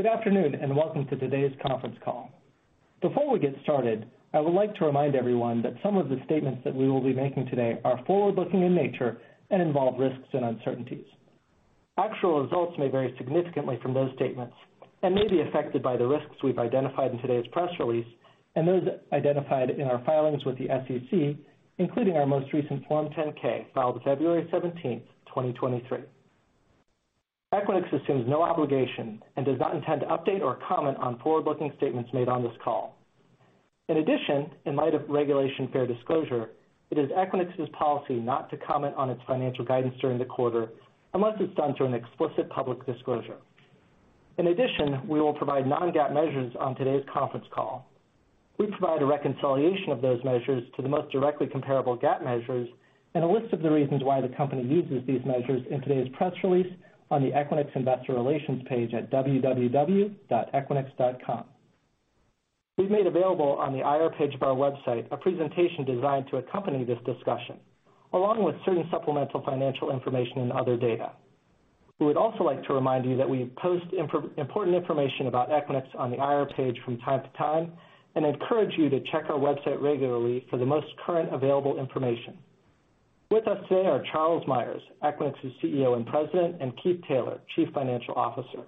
Good afternoon, welcome to today's conference call. Before we get started, I would like to remind everyone that some of the statements that we will be making today are forward-looking in nature and involve risks and uncertainties. Actual results may vary significantly from those statements and may be affected by the risks we've identified in today's press release and those identified in our filings with the SEC, including our most recent Form 10-K, filed February 17th, 2023. Equinix assumes no obligation and does not intend to update or comment on forward-looking statements made on this call. In addition, in light of Regulation Fair Disclosure, it is Equinix's policy not to comment on its financial guidance during the quarter unless it's done through an explicit public disclosure. We will provide non-GAAP measures on today's conference call. We provide a reconciliation of those measures to the most directly comparable GAAP measures and a list of the reasons why the company uses these measures in today's press release on the Equinix Investor Relations page at www.equinix.com. We've made available on the IR page of our website a presentation designed to accompany this discussion, along with certain supplemental financial information and other data. We would also like to remind you that we post important information about Equinix on the IR page from time to time and encourage you to check our website regularly for the most current available information. With us today are Charles Meyers, Equinix's CEO and President, and Keith Taylor, Chief Financial Officer.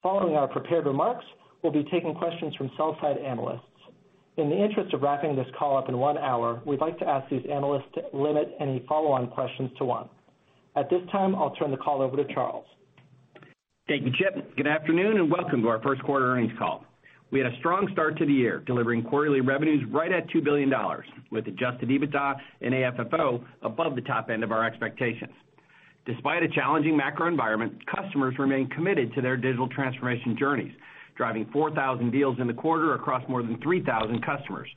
Following our prepared remarks, we'll be taking questions from sell side analysts. In the interest of wrapping this call up in one hour, we'd like to ask these analysts to limit any follow-on questions to one. At this time, I'll turn the call over to Charles. Thank you, Chip. Good afternoon. Welcome to our first quarter earnings call. We had a strong start to the year, delivering quarterly revenues right at $2 billion, with adjusted EBITDA and AFFO above the top end of our expectations. Despite a challenging macro environment, customers remain committed to their digital transformation journeys, driving 4,000 deals in the quarter across more than 3,000 customers,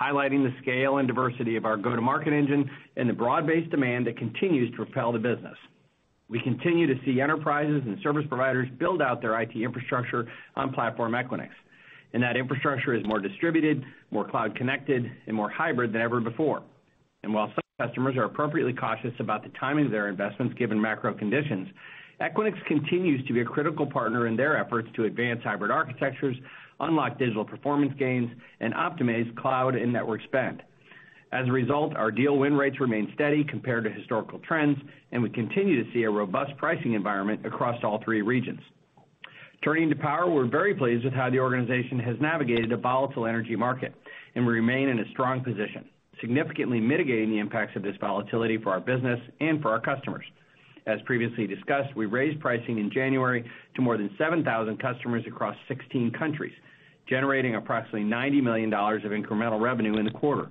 highlighting the scale and diversity of our go-to-market engine and the broad-based demand that continues to propel the business. We continue to see enterprises and service providers build out their IT infrastructure on Platform Equinix, and that infrastructure is more distributed, more cloud connected, and more hybrid than ever before. While some customers are appropriately cautious about the timing of their investments given macro conditions, Equinix continues to be a critical partner in their efforts to advance hybrid architectures, unlock digital performance gains, and optimize cloud and network spend. As a result, our deal win rates remain steady compared to historical trends, and we continue to see a robust pricing environment across all three regions. Turning to power, we're very pleased with how the organization has navigated a volatile energy market, and we remain in a strong position, significantly mitigating the impacts of this volatility for our business and for our customers. As previously discussed, we raised pricing in January to more than 7,000 customers across 16 countries, generating approximately $90 million of incremental revenue in the quarter,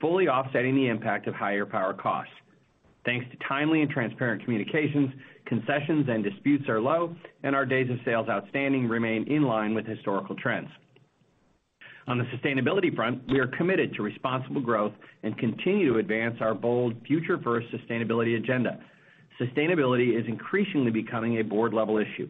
fully offsetting the impact of higher power costs. Thanks to timely and transparent communications, concessions and disputes are low. Our days of sales outstanding remain in line with historical trends. On the sustainability front, we are committed to responsible growth and continue to advance our bold future-first sustainability agenda. Sustainability is increasingly becoming a board-level issue.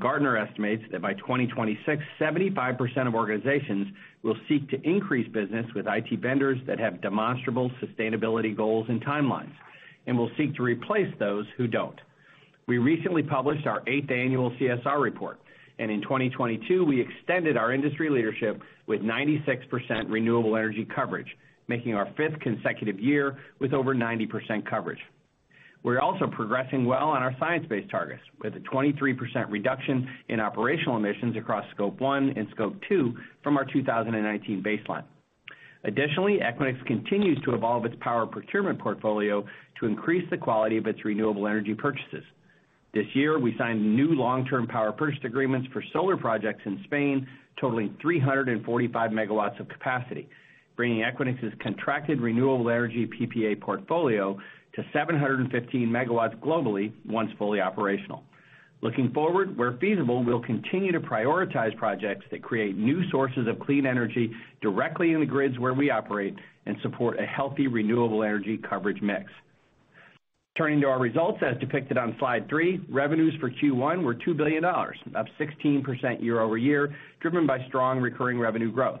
Gartner estimates that by 2026, 75% of organizations will seek to increase business with IT vendors that have demonstrable sustainability goals and timelines and will seek to replace those who don't. We recently published our Eighth Annual CSR Report. In 2022, we extended our industry leadership with 96% renewable energy coverage, making our fifth consecutive year with over 90% coverage. We're also progressing well on our science-based targets, with a 23% reduction in operational emissions across Scope one and Scope two from our 2019 baseline. Additionally, Equinix continues to evolve its power procurement portfolio to increase the quality of its renewable energy purchases. This year, we signed new long-term power purchase agreements for solar projects in Spain, totaling 345 MW of capacity, bringing Equinix's contracted renewable energy PPA portfolio to 715 MW globally once fully operational. Looking forward, where feasible, we'll continue to prioritize projects that create new sources of clean energy directly in the grids where we operate and support a healthy, renewable energy coverage mix. Turning to our results as depicted on slide three, revenues for Q1 were $2 billion, up 16% year-over-year, driven by strong recurring revenue growth.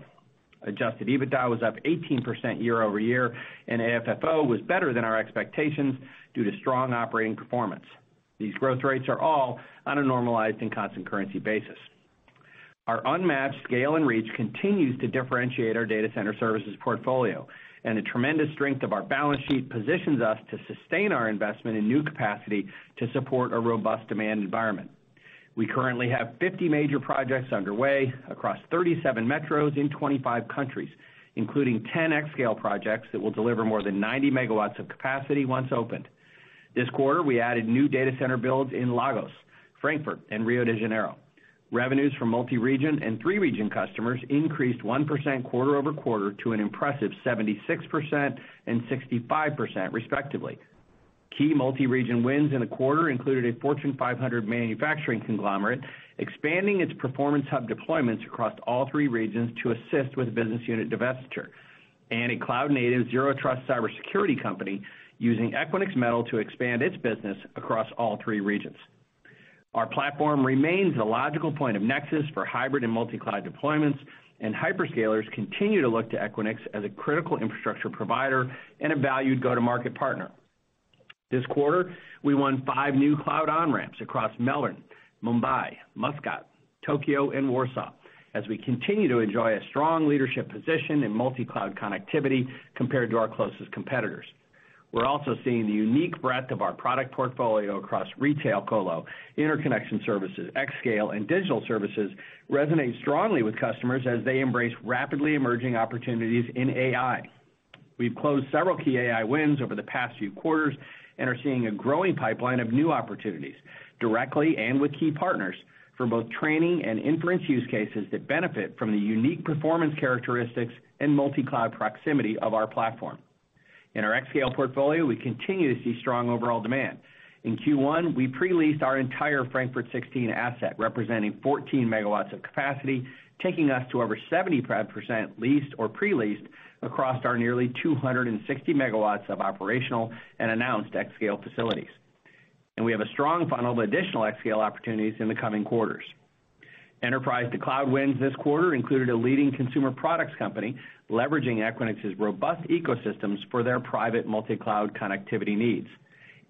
Adjusted EBITDA was up 18% year-over-year, and AFFO was better than our expectations due to strong operating performance. These growth rates are all on a normalized and constant currency basis. Our unmatched scale and reach continues to differentiate our data center services portfolio, and the tremendous strength of our balance sheet positions us to sustain our investment in new capacity to support a robust demand environment. We currently have 50 major projects underway across 37 metros in 25 countries, including 10 xScale projects that will deliver more than 90 MW of capacity once opened. This quarter, we added new data center builds in Lagos, Frankfurt, and Rio de Janeiro. Revenues from multi-region and three-region customers increased 1% quarter-over-quarter to an impressive 76% and 65% respectively. Key multi-region wins in the quarter included a Fortune 500 manufacturing conglomerate, expanding its performance hub deployments across all three regions to assist with business unit divestiture, and a cloud-native, zero-trust cybersecurity company using Equinix Metal to expand its business across all three regions. Our platform remains the logical point of nexus for hybrid and multi-cloud deployments, and hyperscalers continue to look to Equinix as a critical infrastructure provider and a valued go-to-market partner. This quarter, we won five new cloud on-ramps across Melbourne, Mumbai, Muscat, Tokyo, and Warsaw, as we continue to enjoy a strong leadership position in multi-cloud connectivity compared to our closest competitors. We're also seeing the unique breadth of our product portfolio across retail colo, interconnection services, xScale, and digital services resonate strongly with customers as they embrace rapidly emerging opportunities in AI. We've closed several key AI wins over the past few quarters and are seeing a growing pipeline of new opportunities directly and with key partners for both training and inference use cases that benefit from the unique performance characteristics and multi-cloud proximity of our platform. In our xScale portfolio, we continue to see strong overall demand. In Q1, we pre-leased our entire Frankfurt 16 asset, representing 14 MW of capacity, taking us to over 70% leased or pre-leased across our nearly 260 MW of operational and announced xScale facilities. We have a strong funnel of additional xScale opportunities in the coming quarters. Enterprise to cloud wins this quarter included a leading consumer products company leveraging Equinix's robust ecosystems for their private multi-cloud connectivity needs.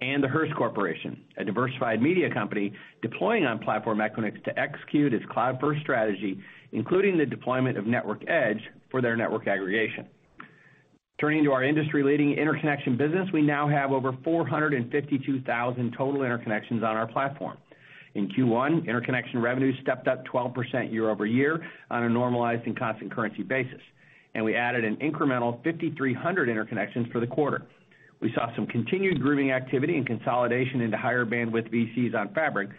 The Hearst Corporation, a diversified media company, deploying on Platform Equinix to execute its cloud-first strategy, including the deployment of Network Edge for their network aggregation. Turning to our industry-leading interconnection business, we now have over 452,000 total interconnections on our platform. In Q1, interconnection revenue stepped up 12% year-over-year on a normalized and constant currency basis, and we added an incremental 5,300 interconnections for the quarter. We saw some continued grooming activity and consolidation into higher bandwidth VCs on Fabric,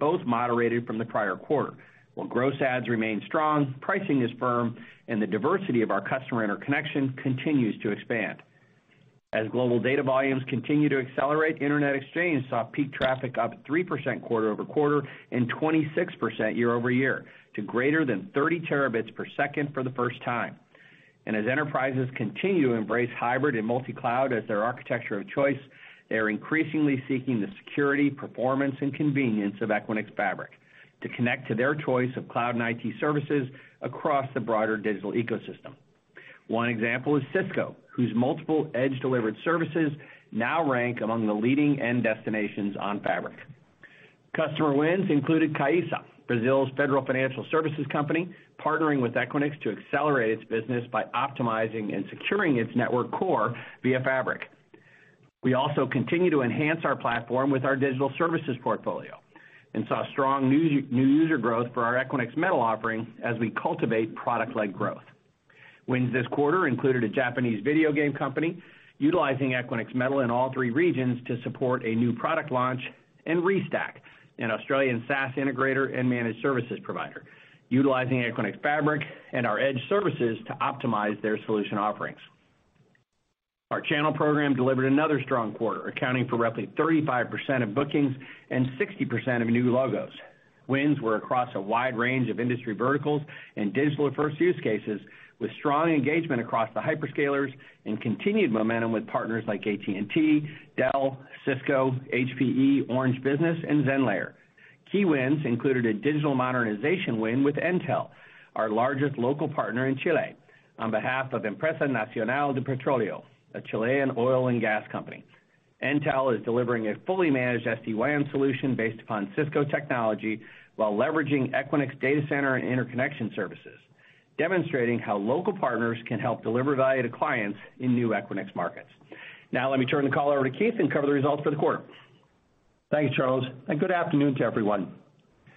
both moderated from the prior quarter. While gross adds remain strong, pricing is firm, the diversity of our customer interconnection continues to expand. As global data volumes continue to accelerate, Internet Exchange saw peak traffic up 3% quarter-over-quarter and 26% year-over-year to greater than 30 terabits per second for the first time. As enterprises continue to embrace hybrid and multi-cloud as their architecture of choice, they are increasingly seeking the security, performance, and convenience of Equinix Fabric to connect to their choice of cloud and IT services across the broader digital ecosystem. One example is Cisco, whose multiple edge delivered services now rank among the leading end destinations on Fabric. Customer wins included CAIXA, Brazil's federal financial services company, partnering with Equinix to accelerate its business by optimizing and securing its network core via Fabric. We also continue to enhance our platform with our digital services portfolio and saw strong new user growth for our Equinix Metal offering as we cultivate product-led growth. Wins this quarter included a Japanese video game company utilizing Equinix Metal in all three regions to support a new product launch, and Restack, an Australian SaaS integrator and managed services provider, utilizing Equinix Fabric and our Edge services to optimize their solution offerings. Our channel program delivered another strong quarter, accounting for roughly 35% of bookings and 60% of new logos. Wins were across a wide range of industry verticals and digital at first use cases with strong engagement across the hyperscalers and continued momentum with partners like AT&T, Dell, Cisco, HPE, Orange Business, and Zenlayer. Key wins included a digital modernization win with Entel, our largest local partner in Chile, on behalf of Empresa Nacional del Petróleo, a Chilean oil and gas company. Entel is delivering a fully managed SD-WAN solution based upon Cisco technology while leveraging Equinix data center and interconnection services, demonstrating how local partners can help deliver value to clients in new Equinix markets. Let me turn the call over to Keith and cover the results for the quarter. Thanks, Charles. Good afternoon to everyone.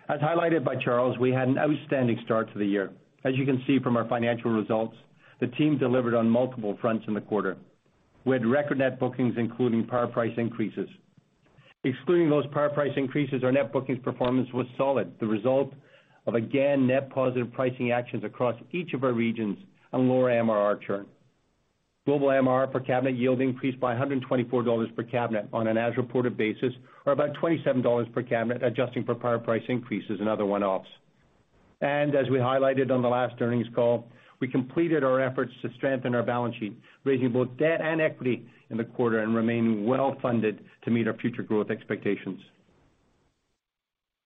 As highlighted by Charles, we had an outstanding start to the year. As you can see from our financial results, the team delivered on multiple fronts in the quarter. We had record net bookings, including power price increases. Excluding those power price increases, our net bookings performance was solid, the result of again, net positive pricing actions across each of our regions on lower MRR churn. Global MRR per cabinet yield increased by $124 per cabinet on an as-reported basis, or about $27 per cabinet, adjusting for power price increases and other one-offs. As we highlighted on the last earnings call, we completed our efforts to strengthen our balance sheet, raising both debt and equity in the quarter and remaining well-funded to meet our future growth expectations.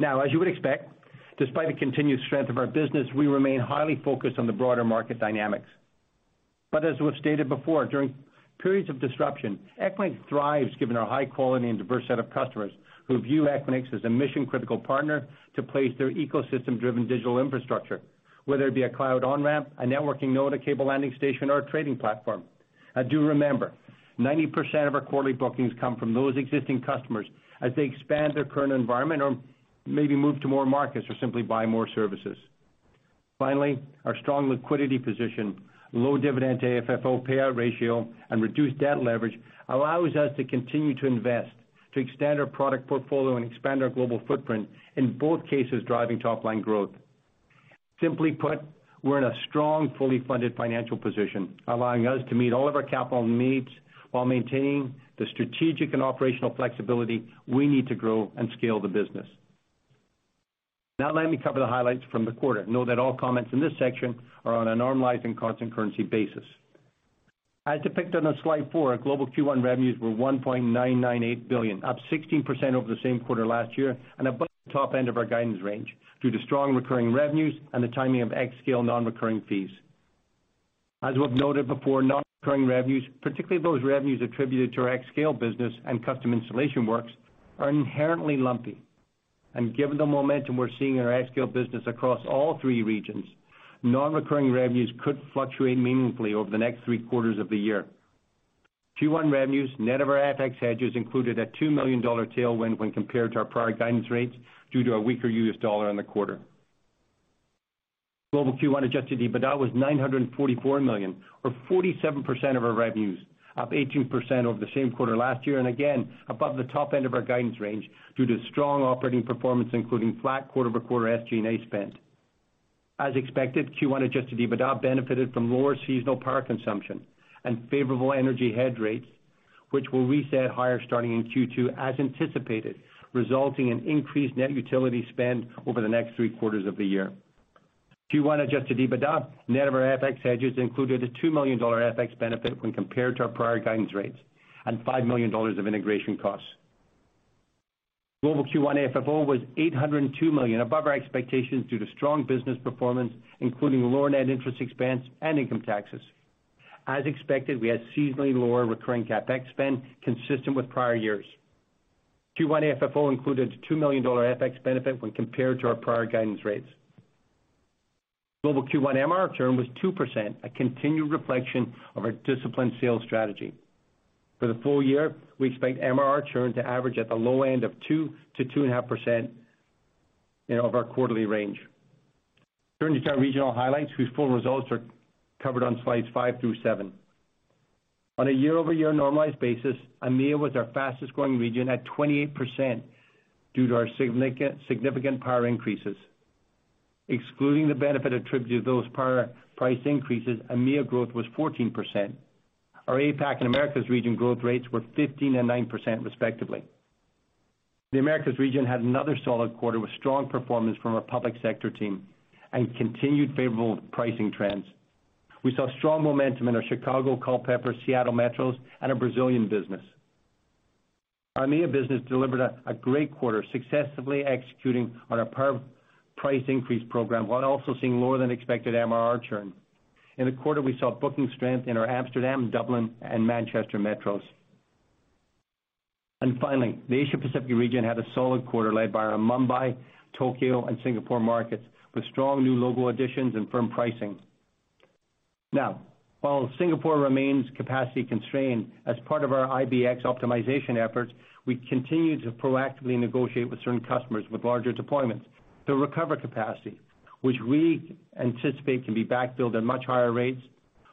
As you would expect, despite the continued strength of our business, we remain highly focused on the broader market dynamics. As we've stated before, during periods of disruption, Equinix thrives given our high quality and diverse set of customers who view Equinix as a mission-critical partner to place their ecosystem-driven digital infrastructure, whether it be a cloud on-ramp, a networking node, a cable landing station, or a trading platform. Do remember, 90% of our quarterly bookings come from those existing customers as they expand their current environment or maybe move to more markets or simply buy more services. Our strong liquidity position, low dividend to FFO payout ratio, and reduced debt leverage allows us to continue to invest, to extend our product portfolio and expand our global footprint, in both cases, driving top line growth. Simply put, we're in a strong, fully funded financial position, allowing us to meet all of our capital needs while maintaining the strategic and operational flexibility we need to grow and scale the business. Let me cover the highlights from the quarter. Know that all comments in this section are on a normalized and constant currency basis. As depicted on slide four, our global Q1 revenues were $1.998 billion, up 16% over the same quarter last year and above the top end of our guidance range due to strong recurring revenues and the timing of xScale non-recurring fees. As we've noted before, non-recurring revenues, particularly those revenues attributed to our xScale business and custom installation works, are inherently lumpy. Given the momentum we're seeing in our xScale business across all three regions, non-recurring revenues could fluctuate meaningfully over the next three quarters of the year. Q1 revenues, net of our FX hedges, included a $2 million tailwind when compared to our prior guidance rates due to a weaker US dollar in the quarter. Global Q1 adjusted EBITDA was $944 million, or 47% of our revenues, up 18% over the same quarter last year, and again, above the top end of our guidance range due to strong operating performance, including flat quarter-over-quarter SG&A spend. As expected, Q1 adjusted EBITDA benefited from lower seasonal power consumption and favorable energy hedge rates, which will reset higher starting in Q2 as anticipated, resulting in increased net utility spend over the next three quarters of the year. Q1 adjusted EBITDA, net of our FX hedges, included a $2 million FX benefit when compared to our prior guidance rates and $5 million of integration costs. Global Q1 FFO was $802 million, above our expectations due to strong business performance, including lower net interest expense and income taxes. As expected, we had seasonally lower recurring CapEx spend consistent with prior years. Q1 FFO included a $2 million FX benefit when compared to our prior guidance rates. Global Q1 MRR churn was 2%, a continued reflection of our disciplined sales strategy. For the full year, we expect MRR churn to average at the low end of 2%-2.5% of our quarterly range. Turning to our regional highlights, whose full results are covered on slides five through seven. On a year-over-year normalized basis, EMEA was our fastest-growing region at 28% due to our significant power increases. Excluding the benefit attributed to those power price increases, EMEA growth was 14%. Our APAC and Americas region growth rates were 15% and 9% respectively. The Americas region had another solid quarter with strong performance from our public sector team and continued favorable pricing trends. We saw strong momentum in our Chicago, Culpeper, Seattle metros and our Brazilian business. Our EMEA business delivered a great quarter, successfully executing on our power price increase program while also seeing lower than expected MRR churn. In the quarter, we saw booking strength in our Amsterdam, Dublin and Manchester metros. Finally, the Asia Pacific region had a solid quarter led by our Mumbai, Tokyo and Singapore markets, with strong new logo additions and firm pricing. Now, while Singapore remains capacity-constrained, as part of our IBX optimization efforts, we continue to proactively negotiate with certain customers with larger deployments to recover capacity, which we anticipate can be backfilled at much higher rates,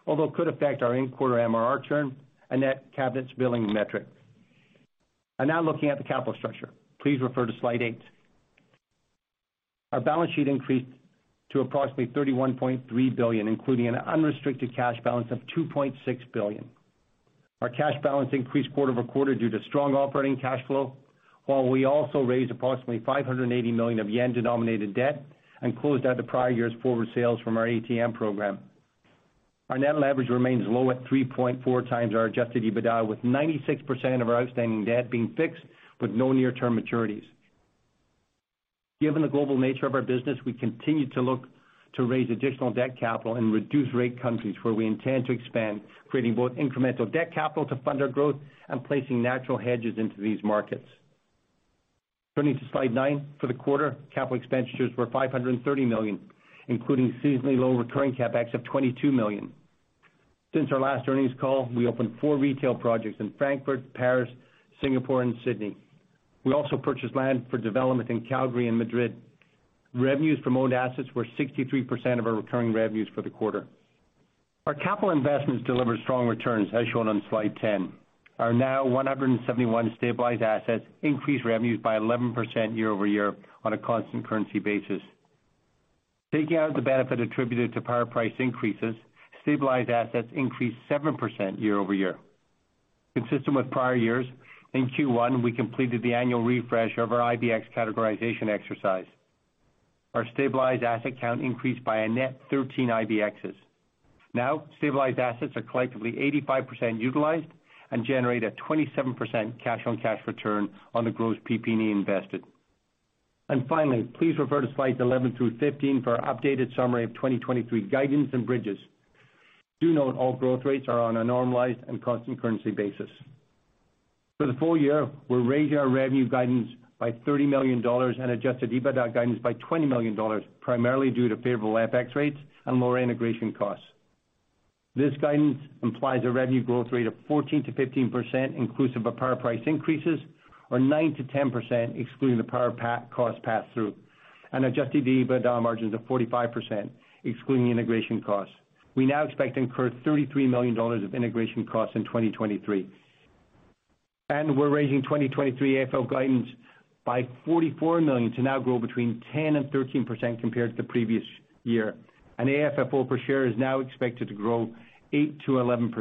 although it could affect our in-quarter MRR churn and net cabinets billing metric. Now looking at the capital structure, please refer to slide eight. Our balance sheet increased to approximately $31.3 billion, including an unrestricted cash balance of $2.6 billion. Our cash balance increased quarter-over-quarter due to strong operating cash flow, while we also raised approximately 580 million of yen-denominated debt and closed out the prior year's forward sales from our ATM program. Our net leverage remains low at 3.4x our adjusted EBITDA, with 96% of our outstanding debt being fixed with no near-term maturities. Given the global nature of our business, we continue to look to raise additional debt capital in reduced rate countries where we intend to expand, creating both incremental debt capital to fund our growth and placing natural hedges into these markets. Turning to slide nine, for the quarter, capital expenditures were $530 million, including seasonally low recurring CapEx of $22 million. Since our last earnings call, we opened four retail projects in Frankfurt, Paris, Singapore and Sydney. We also purchased land for development in Calgary and Madrid. Revenues from owned assets were 63% of our recurring revenues for the quarter. Our capital investments delivered strong returns, as shown on slide 10. Our now 171 stabilized assets increased revenues by 11% year-over-year on a constant currency basis. Taking out the benefit attributed to power price increases, stabilized assets increased 7% year-over-year. Consistent with prior years, in Q1, we completed the annual refresh of our IBX categorization exercise. Our stabilized asset count increased by a net 13 IBXs. Now, stabilized assets are collectively 85% utilized and generate a 27% cash-on-cash return on the gross PP&E invested. Finally, please refer to slides 11 through 15 for our updated summary of 2023 guidance and bridges. Do note all growth rates are on a normalized and constant currency basis. For the full year, we're raising our revenue guidance by $30 million and adjusted EBITDA guidance by $20 million, primarily due to favorable FX rates and lower integration costs. This guidance implies a revenue growth rate of 14%-15% inclusive of power price increases or 9%-10% excluding the power cost pass through, and adjusted EBITDA margins of 45% excluding integration costs. We now expect to incur $33 million of integration costs in 2023. We're raising 2023 AFFO guidance by $44 million to now grow between 10%-13% compared to the previous year. AFFO per share is now expected to grow 8%-11%.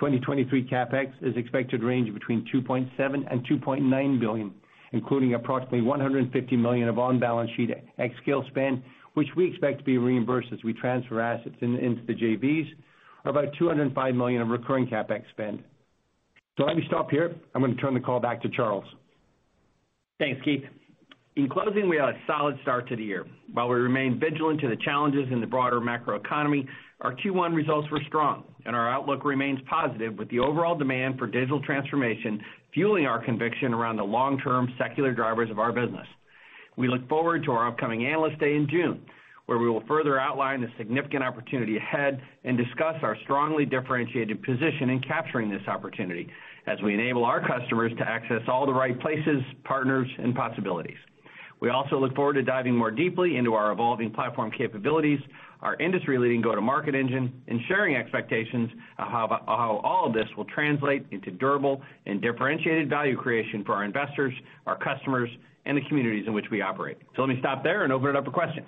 2023 CapEx is expected to range between $2.7 billion-$2.9 billion, including approximately $150 million of on-balance sheet xScale spend, which we expect to be reimbursed as we transfer assets into the JVs, about $205 million of recurring CapEx spend. Let me stop here. I'm gonna turn the call back to Charles. Thanks, Keith. In closing, we had a solid start to the year. While we remain vigilant to the challenges in the broader macro economy, our Q1 results were strong and our outlook remains positive with the overall demand for digital transformation fueling our conviction around the long-term secular drivers of our business. We look forward to our upcoming Analyst Day in June, where we will further outline the significant opportunity ahead and discuss our strongly differentiated position in capturing this opportunity as we enable our customers to access all the right places, partners, and possibilities. We also look forward to diving more deeply into our evolving platform capabilities, our industry-leading go-to-market engine, and sharing expectations of how all of this will translate into durable and differentiated value creation for our investors, our customers, and the communities in which we operate. Let me stop there and open it up for questions.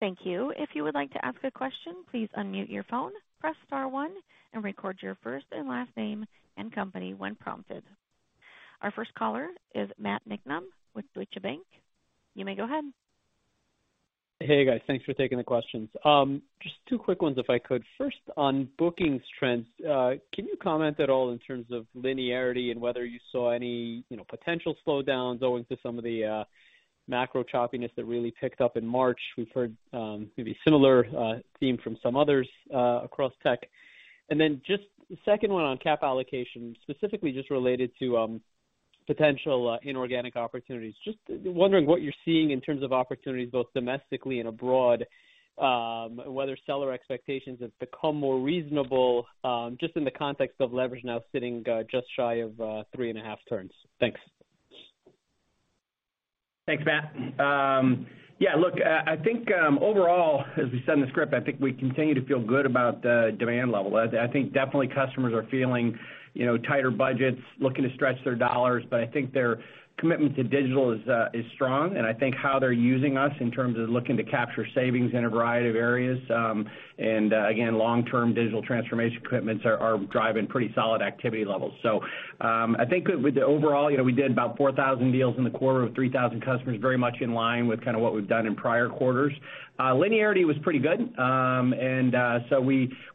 Thank you. If you would like to ask a question, please unmute your phone, press star one and record your first and last name and company when prompted. Our first caller is Matt Niknam with Deutsche Bank. You may go ahead. Hey, guys. Thanks for taking the questions. Just two quick ones if I could. First, on bookings trends, can you comment at all in terms of linearity and whether you saw any, you know, potential slowdowns owing to some of the macro choppiness that really picked up in March? We've heard maybe similar theme from some others across tech. Just second one on cap allocation, specifically just related to potential inorganic opportunities. Just wondering what you're seeing in terms of opportunities both domestically and abroad, and whether seller expectations have become more reasonable, just in the context of leverage now sitting just shy of 3.5 turns. Thanks. Thanks, Matt. Yeah, look, I think overall, as we said in the script, I think we continue to feel good about the demand level. I think definitely customers are feeling, you know, tighter budgets, looking to stretch their dollars, but I think their commitment to digital is strong. I think how they're using us in terms of looking to capture savings in a variety of areas, and again, long-term digital transformation commitments are driving pretty solid activity levels. I think with the overall, you know, we did about 4,000 deals in the quarter of 3,000 customers, very much in line with kind of what we've done in prior quarters. Linearity was pretty good.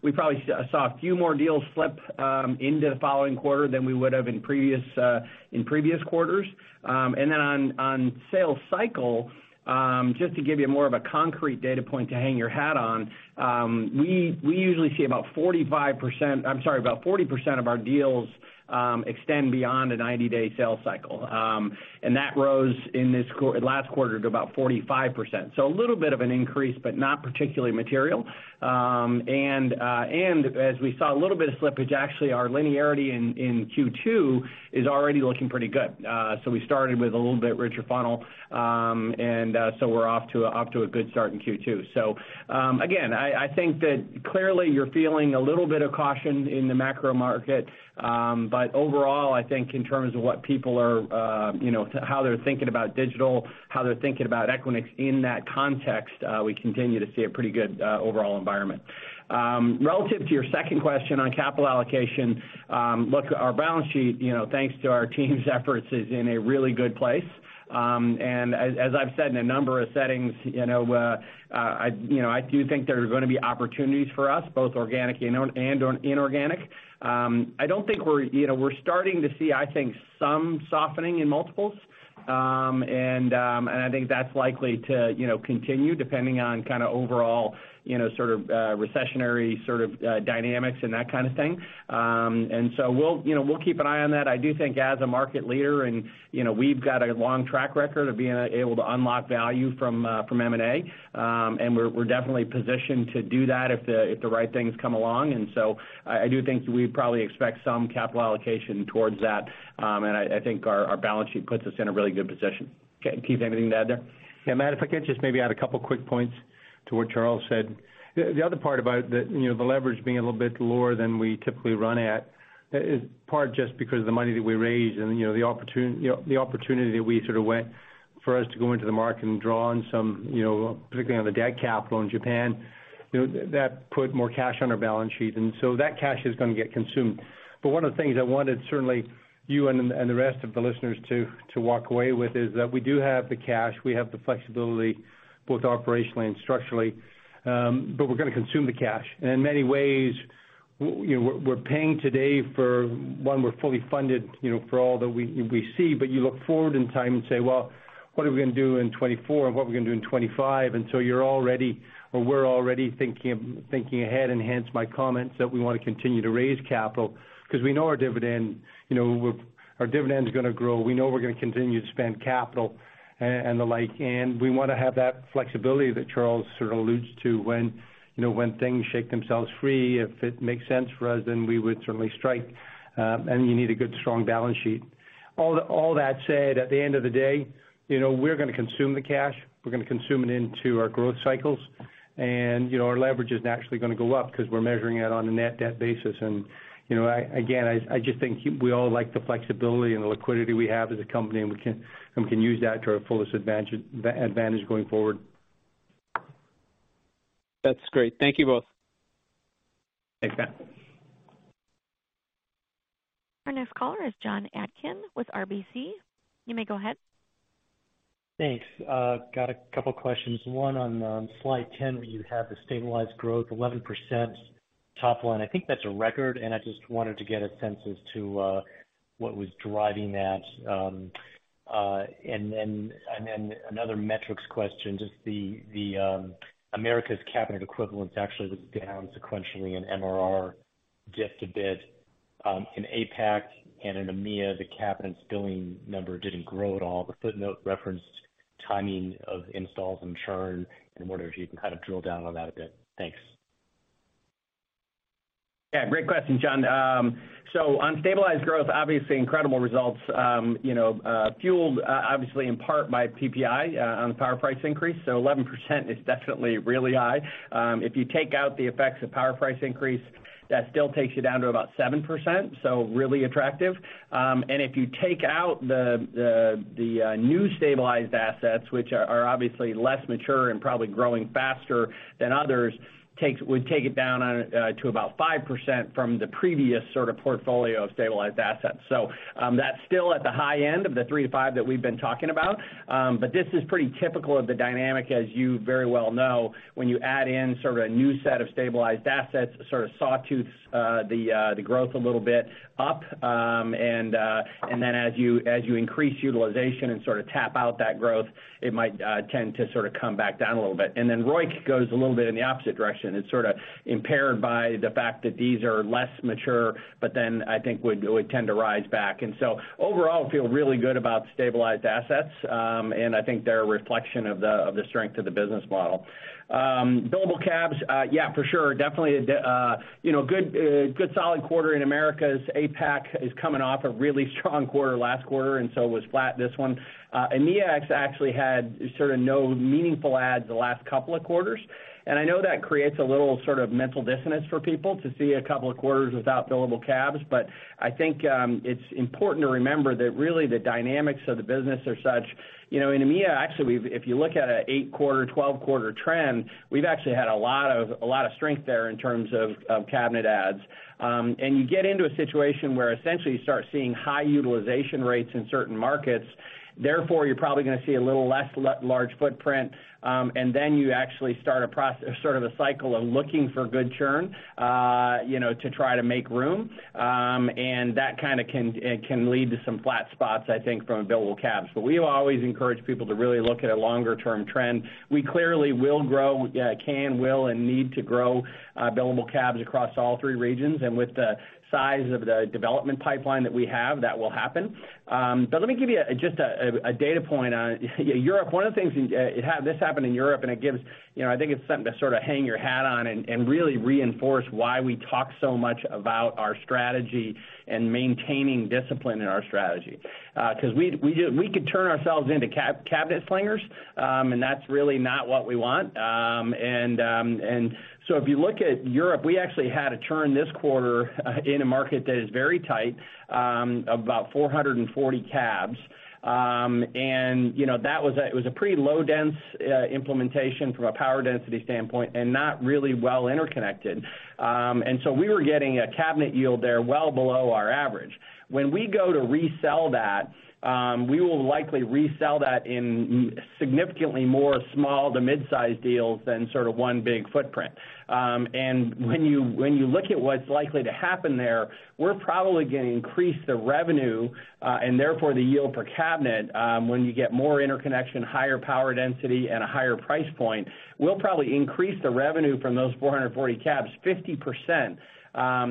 We probably saw a few more deals slip into the following quarter than we would have in previous quarters. Then on sales cycle, just to give you more of a concrete data point to hang your hat on, we usually see about 45%, I'm sorry, about 40% of our deals extend beyond a 90-day sales cycle. That rose in this last quarter to about 45%. A little bit of an increase, but not particularly material. As we saw a little bit of slippage, actually our linearity in Q2 is already looking pretty good. We started with a little bit richer funnel, and so we're off to a good start in Q2. Again, I think that clearly you're feeling a little bit of caution in the macro market. Overall, I think in terms of what people are, you know, to how they're thinking about digital, how they're thinking about Equinix in that context, we continue to see a pretty good overall environment. Relative to your second question on capital allocation, look, our balance sheet, you know, thanks to our team's efforts, is in a really good place. As I've said in a number of settings, you know, I, you know, I do think there are gonna be opportunities for us, both organic and inorganic. You know, we're starting to see, I think, some softening in multiples. I think that's likely to, you know, continue depending on kind of overall, you know, sort of, recessionary sort of, dynamics and that kind of thing. We'll, you know, we'll keep an eye on that. I do think as a market leader and, you know, we've got a long track record of being able to unlock value from M&A, and we're definitely positioned to do that if the right things come along. I do think we probably expect some capital allocation towards that. I think our balance sheet puts us in a really good position. Keith, anything to add there? Yeah, Matt, if I could just maybe add a couple quick points to what Charles said. The other part about the, you know, the leverage being a little bit lower than we typically run at is part just because of the money that we raised and, you know, the opportunity that we sort of went for us to go into the market and draw on some, you know, particularly on the debt capital in Japan, you know, that put more cash on our balance sheet. That cash is gonna get consumed. One of the things I wanted, certainly you and the rest of the listeners to walk away with is that we do have the cash, we have the flexibility, both operationally and structurally, but we're gonna consume the cash. In many ways, we're paying today for when we're fully funded, you know, for all that we see, but you look forward in time and say, "Well, what are we gonna do in 2024 and what are we gonna do in 2025?" You're already, or we're already thinking ahead, and hence my comments that we wanna continue to raise capital 'cause we know our dividend, you know, our dividend's gonna grow. We know we're gonna continue to spend capital and the like. We wanna have that flexibility that Charles sort of alludes to when, you know, when things shake themselves free. If it makes sense for us, then we would certainly strike. You need a good, strong balance sheet. All that said, at the end of the day, you know, we're gonna consume the cash, we're gonna consume it into our growth cycles. You know, again, I just think we all like the flexibility and the liquidity we have as a company, and we can, and we can use that to our fullest advantage going forward. That's great. Thank you both. Thanks, Matt. Our next caller is John Atkin with RBC. You may go ahead. Thanks. Got a couple questions. One on, slide 10, where you have the stabilized growth, 11% top line. I think that's a record, and I just wanted to get a sense as to what was driving that. And then another metrics question, just the, America's cabinet equivalents actually was down sequentially in MRR just a bit. In APAC and in EMEA, the cabinet billing number didn't grow at all. The footnote referenced timing of installs and churn. I wonder if you can kind of drill down on that a bit. Thanks. Yeah. Great question, John. On stabilized growth, obviously incredible results, you know, fueled obviously in part by PPI on the power price increase. 11% is definitely really high. If you take out the effects of power price increase, that still takes you down to about 7%, really attractive. And if you take out the new stabilized assets, which are obviously less mature and probably growing faster than others, would take it down to about 5% from the previous sort of portfolio of stabilized assets. That's still at the high end of the 3%-5% that we've been talking about. This is pretty typical of the dynamic, as you very well know, when you add in sort of a new set of stabilized assets, it sort of sawtooth the growth a little bit up. Then as you, as you increase utilization and sort of tap out that growth, it might tend to sort of come back down a little bit. Then ROIC goes a little bit in the opposite direction. It's sort of impaired by the fact that these are less mature, but then I think would tend to rise back. Overall, feel really good about stabilized assets. I think they're a reflection of the strength of the business model. Billable cabs, yeah, for sure, definitely you know, good solid quarter in Americas. APAC is coming off a really strong quarter last quarter and so was flat this one. EMEA actually had sort of no meaningful adds the last two quarters. I know that creates a little sort of mental dissonance for people to see two quarters without billable cabs. I think it's important to remember that really the dynamics of the business are such. You know, in EMEA, actually, if you look at a 8-quarter, 12-quarter trend, we've actually had a lot of strength there in terms of cabinet adds. You get into a situation where essentially you start seeing high utilization rates in certain markets, therefore you're probably gonna see a little less large footprint, then you actually start a sort of a cycle of looking for good churn, you know, to try to make room. That kinda can lead to some flat spots, I think, from billable cabs. We've always encouraged people to really look at a longer term trend. We clearly will grow, can, will, and need to grow billable cabs across all three regions. With the size of the development pipeline that we have, that will happen. Let me give you a just a data point on, you know, Europe. One of the things, this happened in Europe, and it gives, you know, I think it's something to sort of hang your hat on and really reinforce why we talk so much about our strategy and maintaining discipline in our strategy. 'Cause we could turn ourselves into cabinet slingers, and that's really not what we want. If you look at Europe, we actually had a churn this quarter in a market that is very tight, of about 440 cabs. You know, that was a, it was a pretty low dense implementation from a power density standpoint and not really well interconnected. We were getting a cabinet yield there well below our average. When we go to resell that, we will likely resell that in significantly more small to mid-size deals than sort of one big footprint. When you, when you look at what's likely to happen there, we're probably gonna increase the revenue and therefore the yield per cabinet. When you get more interconnection, higher power density, and a higher price point, we'll probably increase the revenue from those 440 cabs 50%,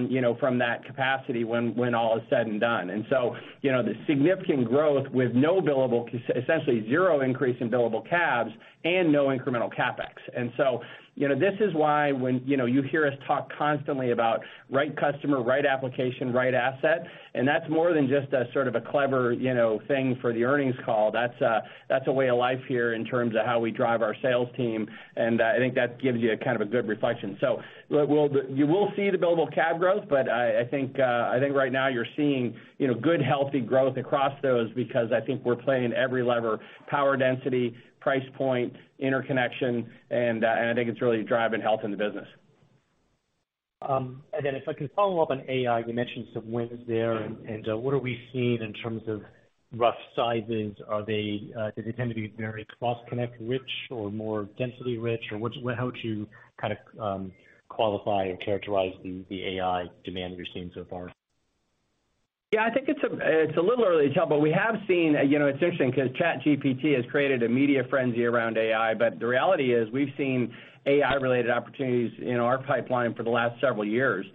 you know, from that capacity when all is said and done. you know, the significant growth with no billable, essentially zero increase in billable cabs and no incremental CapEx. You know, this is why when, you know, you hear us talk constantly about right customer, right application, right asset, and that's more than just a sort of a clever, you know, thing for the earnings call. That's, that's a way of life here in terms of how we drive our sales team, and I think that gives you a kind of a good reflection. You will see the billable cab growth, but I think right now you're seeing, you know, good, healthy growth across those because I think we're playing every lever, power density, price point, interconnection, and I think it's really driving health in the business. If I can follow up on AI, you mentioned some wins there and, what are we seeing in terms of rough sizes? Are they, do they tend to be very cross-connect rich or more density rich or how would you kind of qualify or characterize the AI demand you're seeing so far? Yeah, I think it's a little early to tell, but we have seen, you know, it's interesting 'cause ChatGPT has created a media frenzy around AI, but the reality is we've seen AI-related opportunities in our pipeline for the last several years.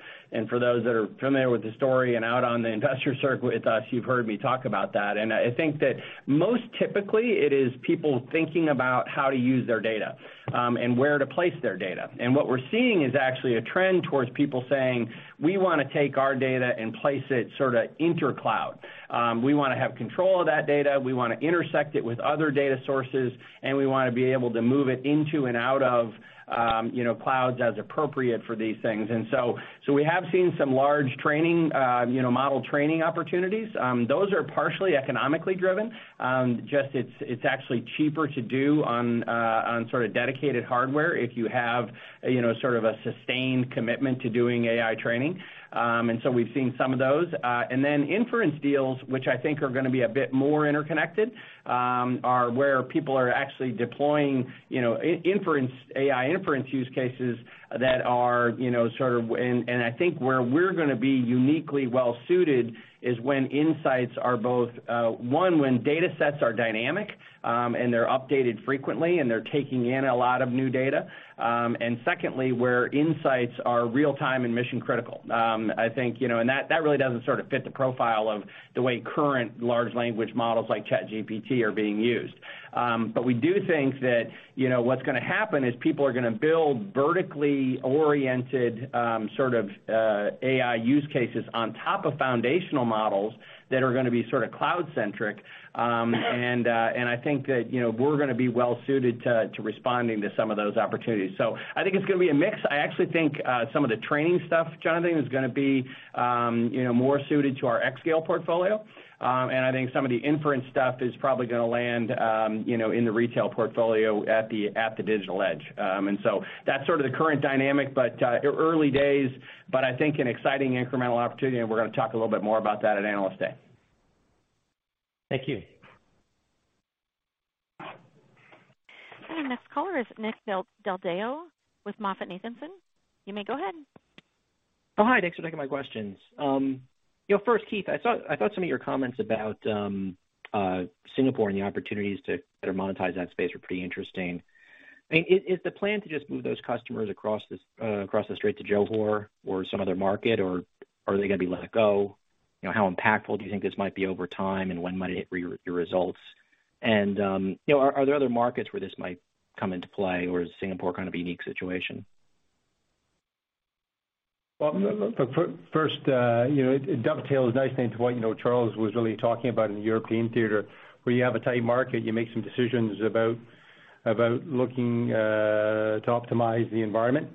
For those that are familiar with the story and out on the Investor Circuit with us, you've heard me talk about that. I think that most typically it is people thinking about how to use their data and where to place their data. What we're seeing is actually a trend towards people saying, we wanna take our data and place it sort of intercloud. We wanna have control of that data, we wanna intersect it with other data sources, and we wanna be able to move it into and out of, you know, clouds as appropriate for these things. We have seen some large training, you know, model training opportunities. Those are partially economically driven. Just it's actually cheaper to do on sort of dedicated hardware if you have, you know, sort of a sustained commitment to doing AI training. We've seen some of those. Inference deals, which I think are gonna be a bit more interconnected, are where people are actually deploying, you know, AI inference use cases that are, you know. I think where we're gonna be uniquely well suited is when insights are both, one, when data sets are dynamic, and they're updated frequently, and they're taking in a lot of new data, and secondly, where insights are real-time and mission-critical. I think, you know, that really doesn't sort of fit the profile of the way current large language models like ChatGPT are being used. We do think that, you know, what's gonna happen is people are gonna build vertically oriented, sort of, AI use cases on top of foundational models that are gonna be sort of cloud-centric. I think that, you know, we're gonna be well suited to responding to some of those opportunities. I think it's gonna be a mix. I actually think, some of the training stuff, John, is gonna be, you know, more suited to our xScale portfolio. I think some of the inference stuff is probably gonna land, you know, in the retail portfolio at the digital edge. That's sort of the current dynamic, but early days, but I think an exciting incremental opportunity, and we're gonna talk a little bit more about that at Analyst Day. Thank you. Our next caller is Nick Del Deo with MoffettNathanson. You may go ahead. Hi. Thanks for taking my questions. You know, first, Keith, I thought some of your comments about Singapore and the opportunities to better monetize that space were pretty interesting. I mean, is the plan to just move those customers across this across the strait to Johor or some other market, or are they gonna be let go? You know, how impactful do you think this might be over time, and when might it hit your results? You know, are there other markets where this might come into play, or is Singapore kind of a unique situation? Well, you know, it dovetails nicely into what, you know, Charles was really talking about in the European theater, where you have a tight market, you make some decisions about looking to optimize the environment.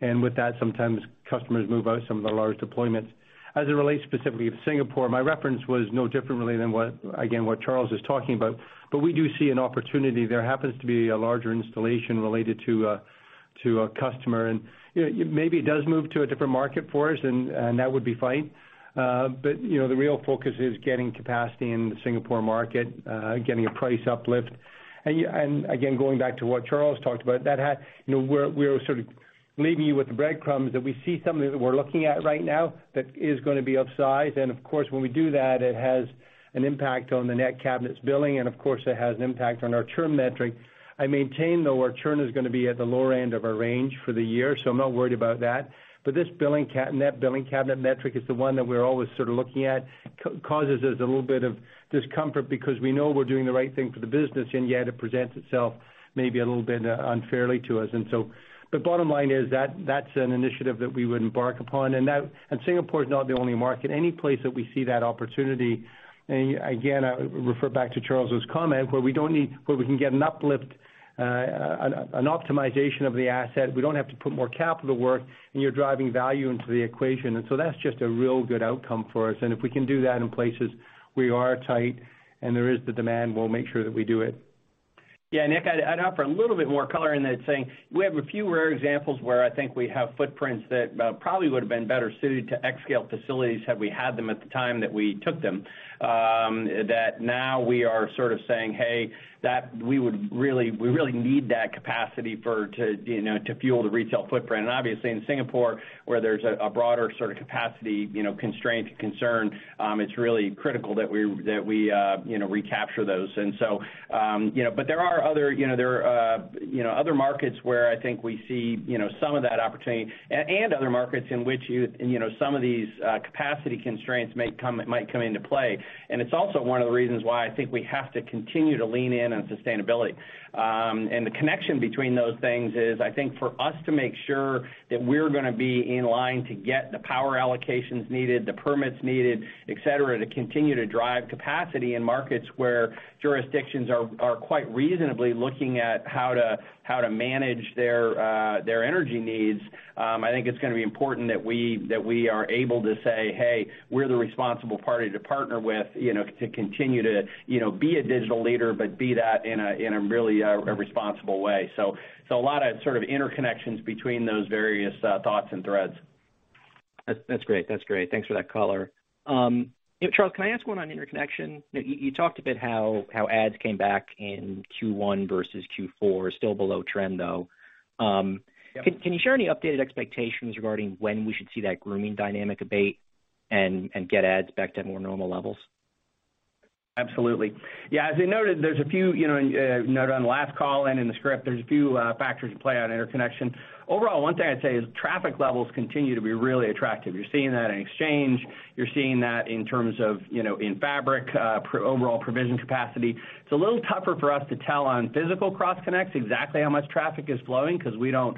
With that, sometimes customers move out some of the large deployments. As it relates specifically to Singapore, my reference was no different really than what, again, what Charles is talking about. We do see an opportunity. There happens to be a larger installation related to a customer. You know, maybe it does move to a different market for us and that would be fine. You know, the real focus is getting capacity in the Singapore market, getting a price uplift. Again, going back to what Charles talked about, you know, we're sort of leaving you with the breadcrumbs that we see something that we're looking at right now that is gonna be upsized. Of course, when we do that, it has an impact on the net cabinets billing, and of course, it has an impact on our churn metric. I maintain, though, our churn is gonna be at the lower end of our range for the year. I'm not worried about that. This billing net billing cabinet metric is the one that we're always sort of looking at. Causes us a little bit of discomfort because we know we're doing the right thing for the business, and yet it presents itself maybe a little bit unfairly to us. The bottom line is that that's an initiative that we would embark upon. Singapore is not the only market. Any place that we see that opportunity, and again, I refer back to Charles's comment, where we can get an uplift, an optimization of the asset. We don't have to put more capital work, and you're driving value into the equation. That's just a real good outcome for us. If we can do that in places we are tight and there is the demand, we'll make sure that we do it. Yeah, Nick, I'd offer a little bit more color in that saying we have a few rare examples where I think we have footprints that probably would've been better suited to xScale facilities had we had them at the time that we took them. That now we are sort of saying, hey, that we really need that capacity for, to, you know, to fuel the retail footprint. Obviously, in Singapore, where there's a broader sort of capacity, you know, constraint concern, it's really critical that we, you know, recapture those. But there are other, you know, there are, you know, other markets where I think we see, you know, some of that opportunity and other markets in which you know, some of these, capacity constraints might come into play. It's also one of the reasons why I think we have to continue to lean in on sustainability. The connection between those things is, I think, for us to make sure that we're gonna be in line to get the power allocations needed, the permits needed, et cetera, to continue to drive capacity in markets where jurisdictions are quite reasonably looking at how to manage their energy needs. I think it's gonna be important that we are able to say, hey, we're the responsible party to partner with, you know, to continue to, you know, be a digital leader, but be that in a really a responsible way. A lot of sort of interconnections between those various thoughts and threads. That's great. That's great. Thanks for that color. You know, Charles, can I ask one on interconnection? You talked a bit how ads came back in Q1 versus Q4, still below trend, though. Yeah. Can you share any updated expectations regarding when we should see that grooming dynamic abate and get ads back to more normal levels? Absolutely. Yeah, as you noted, there's a few, you know, note on the last call and in the script, there's a few factors at play on interconnection. Overall, one thing I'd say is traffic levels continue to be really attractive. You're seeing that in exchange. You're seeing that in terms of, you know, in Fabric, overall provision capacity. It's a little tougher for us to tell on physical cross connects exactly how much traffic is flowing 'cause we don't,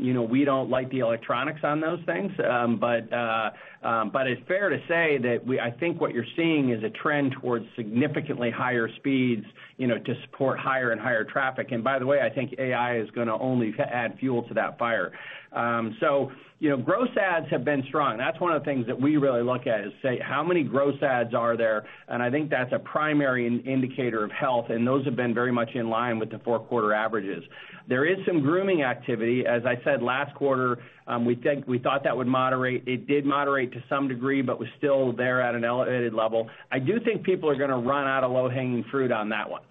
you know, we don't like the electronics on those things. But it's fair to say that I think what you're seeing is a trend towards significantly higher speeds, you know, to support higher and higher traffic. By the way, I think AI is gonna only add fuel to that fire. You know, gross adds have been strong. That's one of the things that we really look at is say how many gross adds are there, and I think that's a primary indicator of health, and those have been very much in line with the fourth quarter averages. There is some grooming activity. As I said last quarter, we thought that would moderate. It did moderate to some degree, but was still there at an elevated level. I do think people are gonna run out of low-hanging fruit on that one.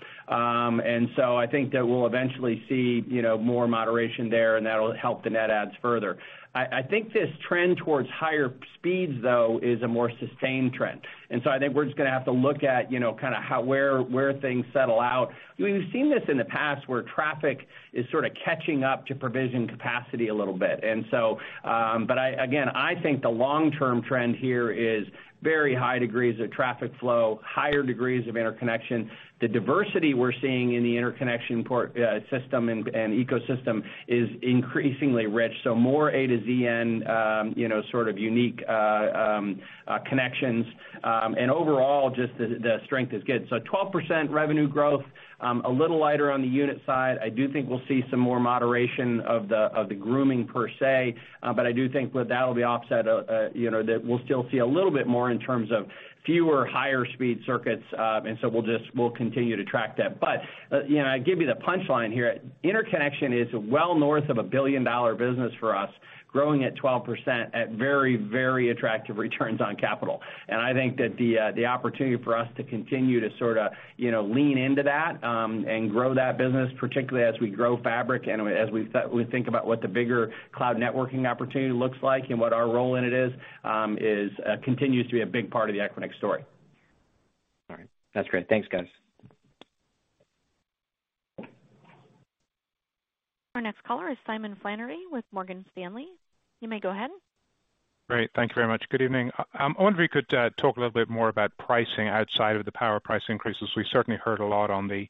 I think that we'll eventually see, you know, more moderation there, and that'll help the net adds further. I think this trend towards higher speeds, though, is a more sustained trend. I think we're just gonna have to look at, you know, kinda how, where things settle out. We've seen this in the past where traffic is sorta catching up to provision capacity a little bit. But I, again, I think the long-term trend here is very high degrees of traffic flow, higher degrees of interconnection. The diversity we're seeing in the interconnection port system and ecosystem is increasingly rich, so more A to ZN, you know, sort of unique connections. Overall, just the strength is good. 12% revenue growth, a little lighter on the unit side. I do think we'll see some more moderation of the grooming per se, but I do think that that'll be offset, you know, that we'll still see a little bit more in terms of fewer higher speed circuits. We'll just continue to track that. You know, I give you the punchline here. Interconnection is well north of a billion-dollar business for us, growing at 12% at very, very attractive returns on capital. I think that the opportunity for us to continue to sorta, you know, lean into that and grow that business, particularly as we grow fabric and as we think about what the bigger cloud networking opportunity looks like and what our role in it is, continues to be a big part of the Equinix story. All right. That's great. Thanks, guys. Our next caller is Simon Flannery with Morgan Stanley. You may go ahead. Great. Thank you very much. Good evening. I wonder if you could talk a little bit more about pricing outside of the power price increases. We certainly heard a lot on the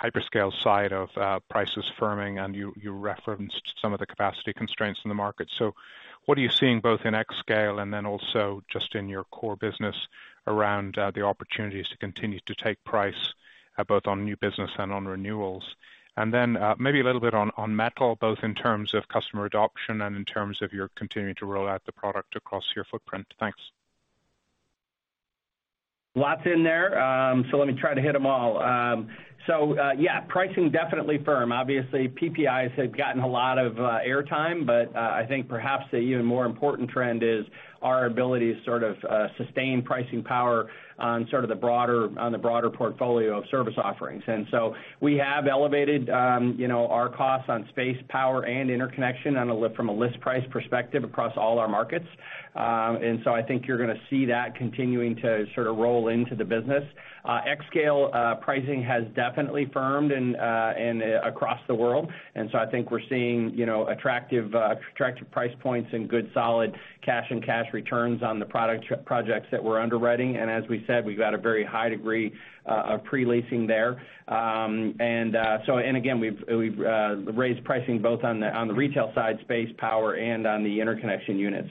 hyperscale side of prices firming, you referenced some of the capacity constraints in the market. What are you seeing both in xScale and also just in your core business around the opportunities to continue to take price both on new business and on renewals? Maybe a little bit on Metal, both in terms of customer adoption and in terms of your continuing to roll out the product across your footprint. Thanks. Lots in there. Let me try to hit them all. Yeah, pricing definitely firm. Obviously, PPIs have gotten a lot of airtime, but I think perhaps the even more important trend is our ability to sort of sustain pricing power on the broader portfolio of service offerings. We have elevated, you know, our costs on space, power, and interconnection from a list price perspective across all our markets. I think you're gonna see that continuing to sort of roll into the business. xScale pricing has definitely firmed and across the world. I think we're seeing, you know, attractive price points and good solid cash and cash returns on the projects that we're underwriting. As we said, we've got a very high degree pre-leasing there. Again, we've raised pricing both on the retail side, space, power, and on the interconnection units.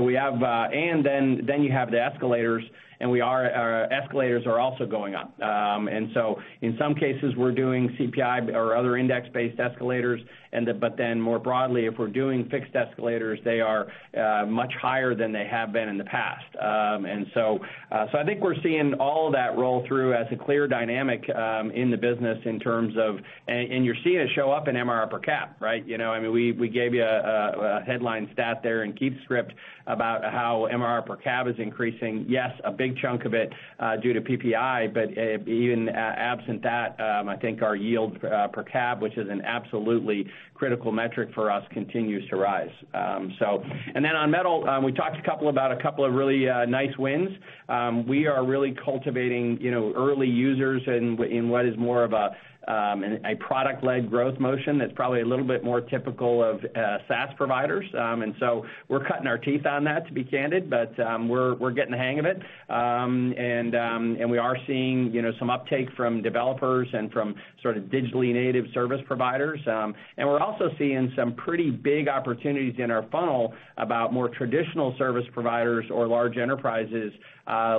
We have. Then you have the escalators, and we are, escalators are also going up. In some cases, we're doing CPI or other index-based escalators but then more broadly, if we're doing fixed escalators, they are much higher than they have been in the past. I think we're seeing all of that roll through as a clear dynamic in the business in terms of. You're seeing it show up in MRR per cap, right? You know, I mean, we gave you a headline stat there in Keith's script about how MRR per cab is increasing. Yes, a big chunk of it due to PPI, but even absent that, I think our yield per cab, which is an absolutely critical metric for us, continues to rise. Then on metal, we talked about a couple of really nice wins. We are really cultivating, you know, early users in what is more of a product-led growth motion that's probably a little bit more typical of SaaS providers. We're cutting our teeth on that, to be candid, but we're getting the hang of it. We are seeing, you know, some uptake from developers and from sort of digitally native service providers. We're also seeing some pretty big opportunities in our funnel about more traditional service providers or large enterprises,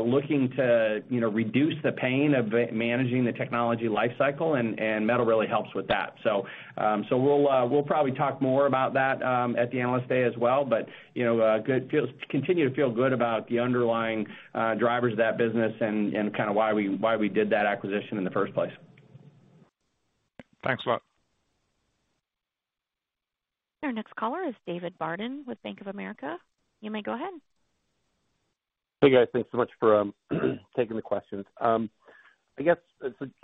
looking to, you know, reduce the pain of managing the technology life cycle, and Metal really helps with that. We'll probably talk more about that at the Analyst Day as well. You know, continue to feel good about the underlying drivers of that business and kinda why we did that acquisition in the first place. Thanks a lot. Our next caller is David Barden with Bank of America. You may go ahead. Hey, guys. Thanks so much for taking the questions.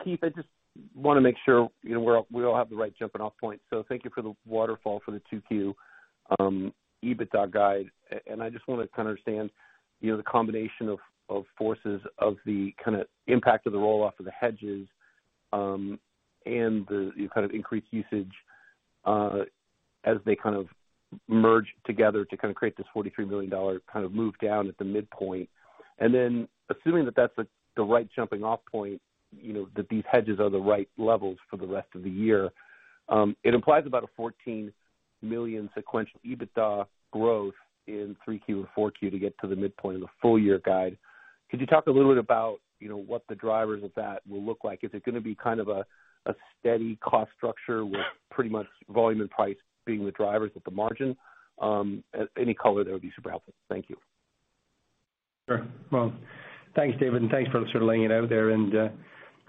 Keith, I just wanna make sure, you know, we're all, we all have the right jumping off point. Thank you for the waterfall for the 2Q EBITDA guide. I just wanna kinda understand, you know, the combination of forces of the kinda impact of the roll off of the hedges and the kind of increased usage as they kinda merge together to kinda create this $43 million kind of move down at the midpoint. Assuming that that's the right jumping off point, you know, that these hedges are the right levels for the rest of the year, it implies about a $14 million sequential EBITDA growth in 3Q or 4Q to get to the midpoint of the full year guide. Could you talk a little bit about, you know, what the drivers of that will look like? Is it gonna be kind of a steady cost structure with pretty much volume and price being the drivers at the margin? Any color there would be super helpful. Thank you. Sure. Well, thanks, David, and thanks for sort of laying it out there. you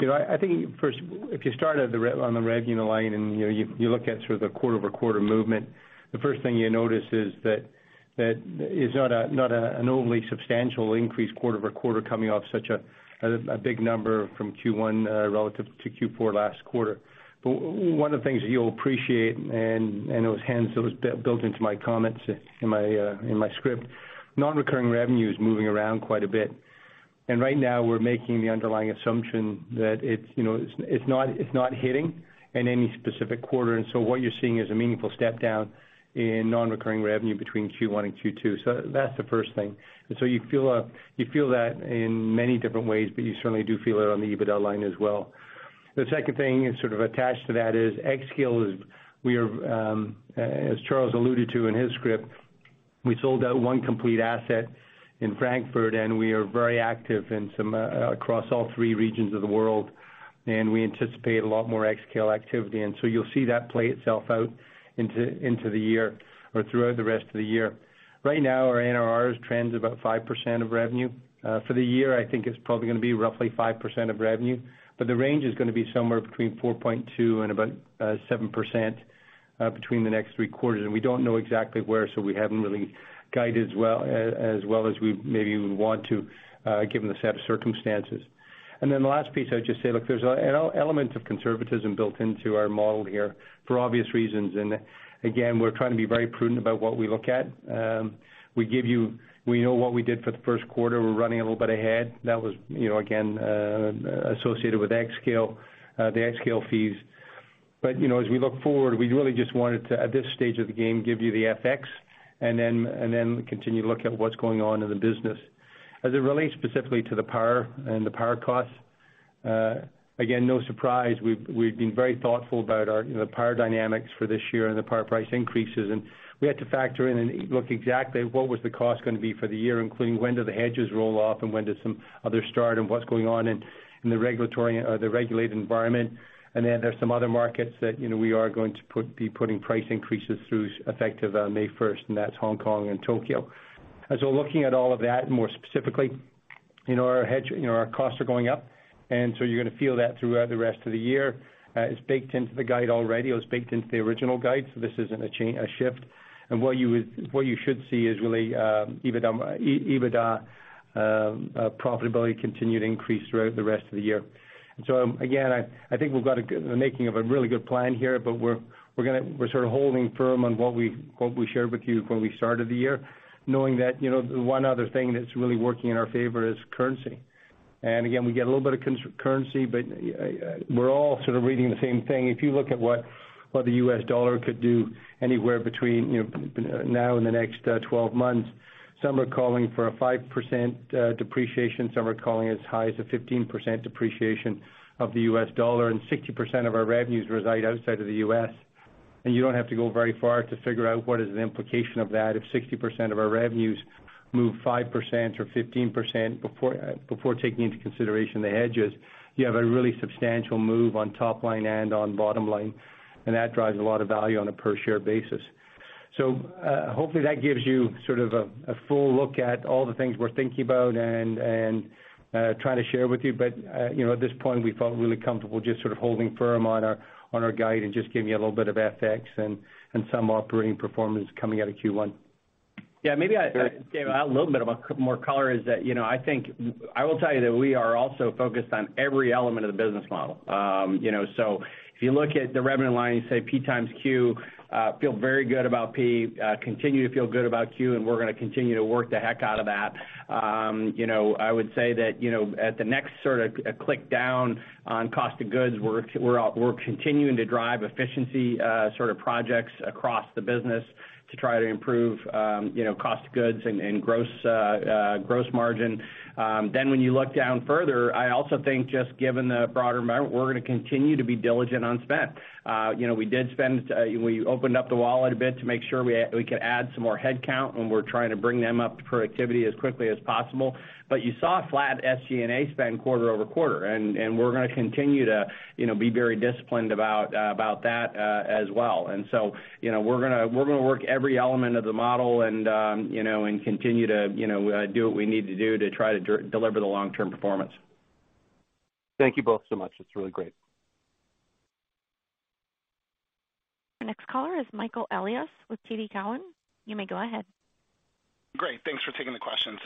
know, I think first, if you start on the revenue line and, you know, you look at sort of the quarter-over-quarter movement, the first thing you notice is that it's not an overly substantial increase quarter-over-quarter coming off such a big number from Q1 relative to Q4 last quarter. One of the things that you'll appreciate and it was hence it was built into my comments in my script, non-recurring revenue is moving around quite a bit. Right now we're making the underlying assumption that it's, you know, it's not hitting in any specific quarter. What you're seeing is a meaningful step down in non-recurring revenue between Q1 and Q2. That's the first thing. You feel that in many different ways, but you certainly do feel it on the EBITDA line as well. The second thing is sort of attached to that is xScale is we are, as Charles alluded to in his script, we sold out one complete asset in Frankfurt, and we are very active in some across all three regions of the world, and we anticipate a lot more xScale activity. You'll see that play itself out into the year or throughout the rest of the year. Right now, our NRR trends about 5% of revenue. For the year, I think it's probably gonna be roughly 5% of revenue, but the range is gonna be somewhere between 4.2% and about 7% between the next three quarters. We don't know exactly where, so we haven't really guided as well as we maybe would want to, given the set of circumstances. The last piece I'd just say, look, there's elements of conservatism built into our model here for obvious reasons. Again, we're trying to be very prudent about what we look at. We know what we did for the first quarter. We're running a little bit ahead. That was, you know, again, associated with xScale, the xScale fees. you know, as we look forward, we really just wanted to, at this stage of the game, give you the FX and then, and then continue to look at what's going on in the business. As it relates specifically to the power and the power costs, again, no surprise, we've been very thoughtful about our, you know, power dynamics for this year and the power price increases. We had to factor in and look exactly what was the cost gonna be for the year, including when do the hedges roll off and when does some others start and what's going on in the regulatory or the regulated environment. There's some other markets that, you know, we are going to be putting price increases through effective May 1st, and that's Hong Kong and Tokyo. Looking at all of that more specifically, you know, our hedge, our costs are going up. You're gonna feel that throughout the rest of the year. It's baked into the guide already. It was baked into the original guide, so this isn't a change, a shift. What you should see is really EBITDA profitability continue to increase throughout the rest of the year. Again, I think we've got the making of a really good plan here, but we're gonna, we're sort of holding firm on what we, what we shared with you when we started the year, knowing that, you know, one other thing that's really working in our favor is currency. Again, we get a little bit of currency, but, we're all sort of reading the same thing. If you look at what the US dollar could do anywhere between, you know, now and the next 12 months, some are calling for a 5% depreciation, some are calling as high as a 15% depreciation of the US dollar, 60% of our revenues reside outside of the U.S.. You don't have to go very far to figure out what is the implication of that. If 60% of our revenues move 5% or 15% before taking into consideration the hedges, you have a really substantial move on top line and on bottom line, and that drives a lot of value on a per share basis. Hopefully that gives you sort of a full look at all the things we're thinking about and, trying to share with you. You know, at this point, we felt really comfortable just sort of holding firm on our, on our guide and just giving you a little bit of FX and some operating performance coming out of Q1. Yeah. Maybe David, a little bit of a more color is that, you know, I think I will tell you that we are also focused on every element of the business model. You know, if you look at the revenue line, you say P x Q, feel very good about P, continue to feel good about Q, and we're gonna continue to work the heck out of that. You know, I would say that, you know, at the next sort of click down on cost of goods, we're continuing to drive efficiency, sort of projects across the business to try to improve, you know, cost of goods and gross margin. When you look down further, I also think just given the broader environment, we're gonna continue to be diligent on spend. You know, we did spend, we opened up the wallet a bit to make sure we could add some more headcount, and we're trying to bring them up to productivity as quickly as possible. You saw a flat SG&A spend quarter-over-quarter, and we're gonna continue to, you know, be very disciplined about that as well. You know, we're gonna work every element of the model and, you know, continue to, you know, do what we need to do to try to deliver the long-term performance. Thank you both so much. It's really great. Our next caller is Michael Elias with TD Cowen. You may go ahead. Great. Thanks for taking the questions.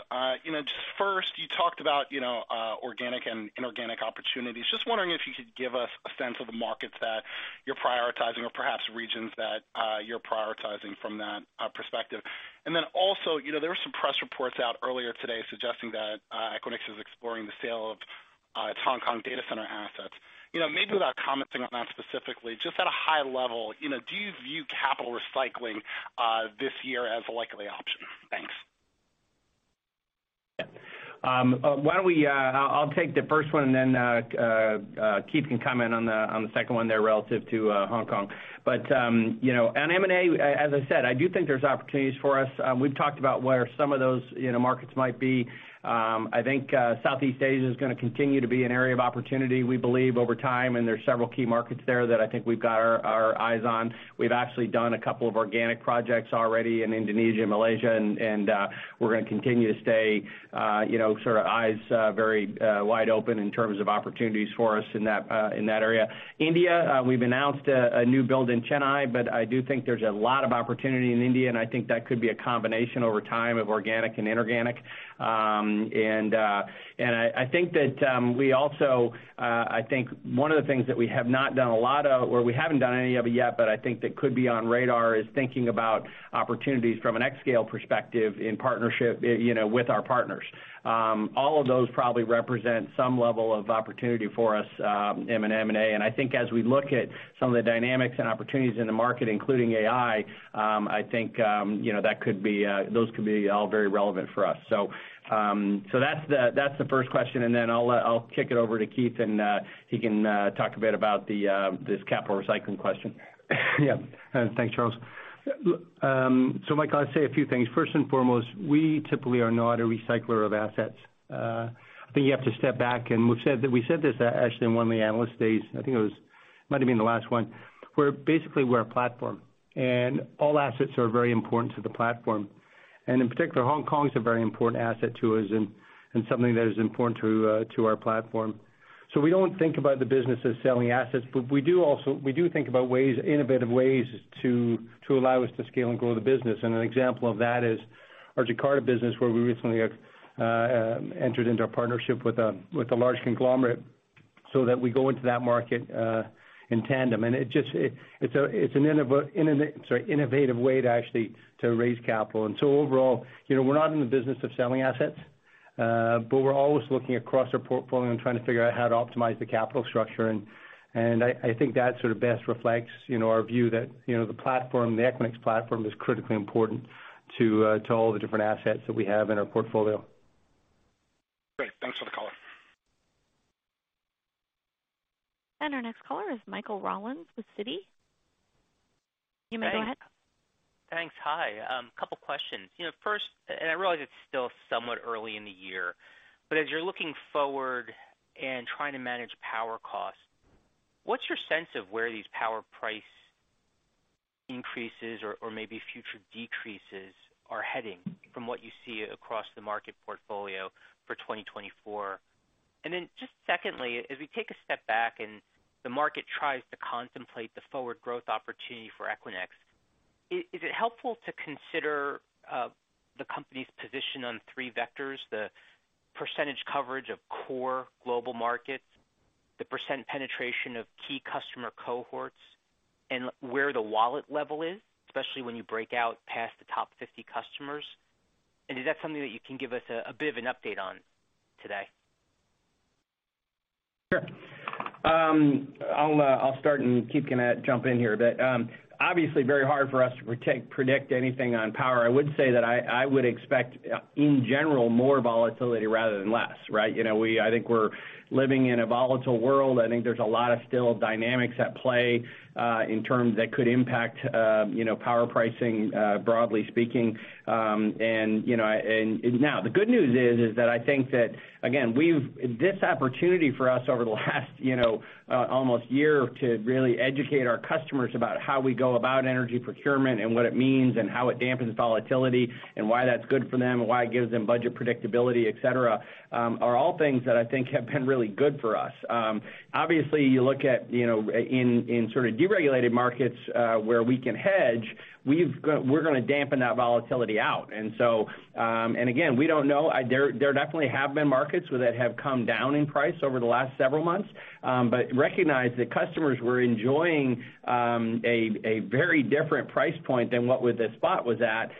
You know, just first you talked about, you know, organic and inorganic opportunities. Just wondering if you could give us a sense of the markets that you're prioritizing or perhaps regions that you're prioritizing from that perspective. Also, you know, there were some press reports out earlier today suggesting that Equinix is exploring the sale of its Hong Kong data center assets. You know, maybe without commenting on that specifically, just at a high level, you know, do you view capital recycling this year as a likely option? Thanks. Yeah. Why don't we, I'll take the first one, and then Keith can comment on the, on the second one there relative to Hong Kong. You know, on M&A, as I said, I do think there's opportunities for us. We've talked about where some of those, you know, markets might be. I think Southeast Asia is gonna continue to be an area of opportunity, we believe, over time, and there are several key markets there that I think we've got our eyes on. We've actually done a couple of organic projects already in Indonesia and Malaysia, and we're gonna continue to stay, you know, sort of eyes very wide open in terms of opportunities for us in that in that area. India, we've announced a new build in Chennai, but I do think there's a lot of opportunity in India, and I think that could be a combination over time of organic and inorganic. I think that, I think one of the things that we have not done a lot of or we haven't done any of it yet, but I think that could be on radar is thinking about opportunities from an xScale perspective in partnership, you know, with our partners. All of those probably represent some level of opportunity for us, in an M&A. I think as we look at some of the dynamics and opportunities in the market, including AI, I think, you know, that could be, those could be all very relevant for us. So that's the first question, and then I'll kick it over to Keith and he can talk a bit about the this capital recycling question. Thanks, Charles. Michael, I'll say a few things. First and foremost, we typically are not a recycler of assets. I think you have to step back, and we've said this actually in one of the analyst days, I think it was, might've been the last one, where basically we're a platform, and all assets are very important to the platform. In particular, Hong Kong is a very important asset to us and something that is important to our platform. We don't think about the business as selling assets, but we do also think about innovative ways to allow us to scale and grow the business. An example of that is our Jakarta business where we recently entered into a partnership with a, with a large conglomerate so that we go into that market in tandem. It just, it's a, it's an innovative way to actually to raise capital. Overall, you know, we're not in the business of selling assets, but we're always looking across our portfolio and trying to figure out how to optimize the capital structure, and I think that sort of best reflects, you know, our view that the platform, the Equinix platform is critically important to all the different assets that we have in our portfolio. Great. Thanks for the color. Our next caller is Michael Rollins with Citi. You may go ahead. Thanks. Hi. Couple questions. You know, first, I realize it's still somewhat early in the year, but as you're looking forward and trying to manage power costs, what's your sense of where these power price increases or maybe future decreases are heading from what you see across the market portfolio for 2024? Just secondly, as we take a step back and the market tries to contemplate the forward growth opportunity for Equinix, is it helpful to consider the company's position on three vectors, the percentage coverage of core global markets, the percentage penetration of key customer cohorts, and where the wallet level is, especially when you break out past the top 50 customers? Is that something that you can give us a bit of an update on today? Sure. I'll start, and Keith can jump in here. Obviously very hard for us to predict anything on power. I would say that I would expect, in general, more volatility rather than less, right? You know, I think we're living in a volatile world. I think there's a lot of still dynamics at play, in terms that could impact, you know, power pricing, broadly speaking. You know, and now the good news is that I think that, again, we've... This opportunity for us over the last, you know, almost year to really educate our customers about how we go about energy procurement and what it means and how it dampens volatility and why that's good for them and why it gives them budget predictability, et cetera, are all things that I think have been really good for us. Obviously, you look at, you know, in sort of deregulated markets, where we can hedge, we're gonna dampen that volatility out. And again, we don't know. There definitely have been markets where they have come down in price over the last several months. Recognize that customers were enjoying a very different price point than what with the spot was at,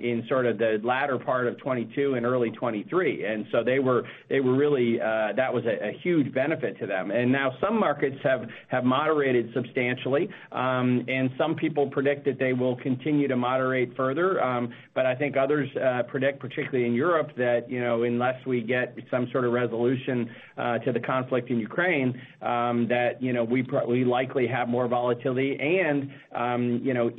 in sort of the latter part of 2022 and early 2023. They were really, that was a huge benefit to them. Now some markets have moderated substantially. Some people predict that they will continue to moderate further. I think others predict, particularly in Europe, that, you know, unless we get some sort of resolution to the conflict in Ukraine, that, you know, we likely have more volatility. Even, you know,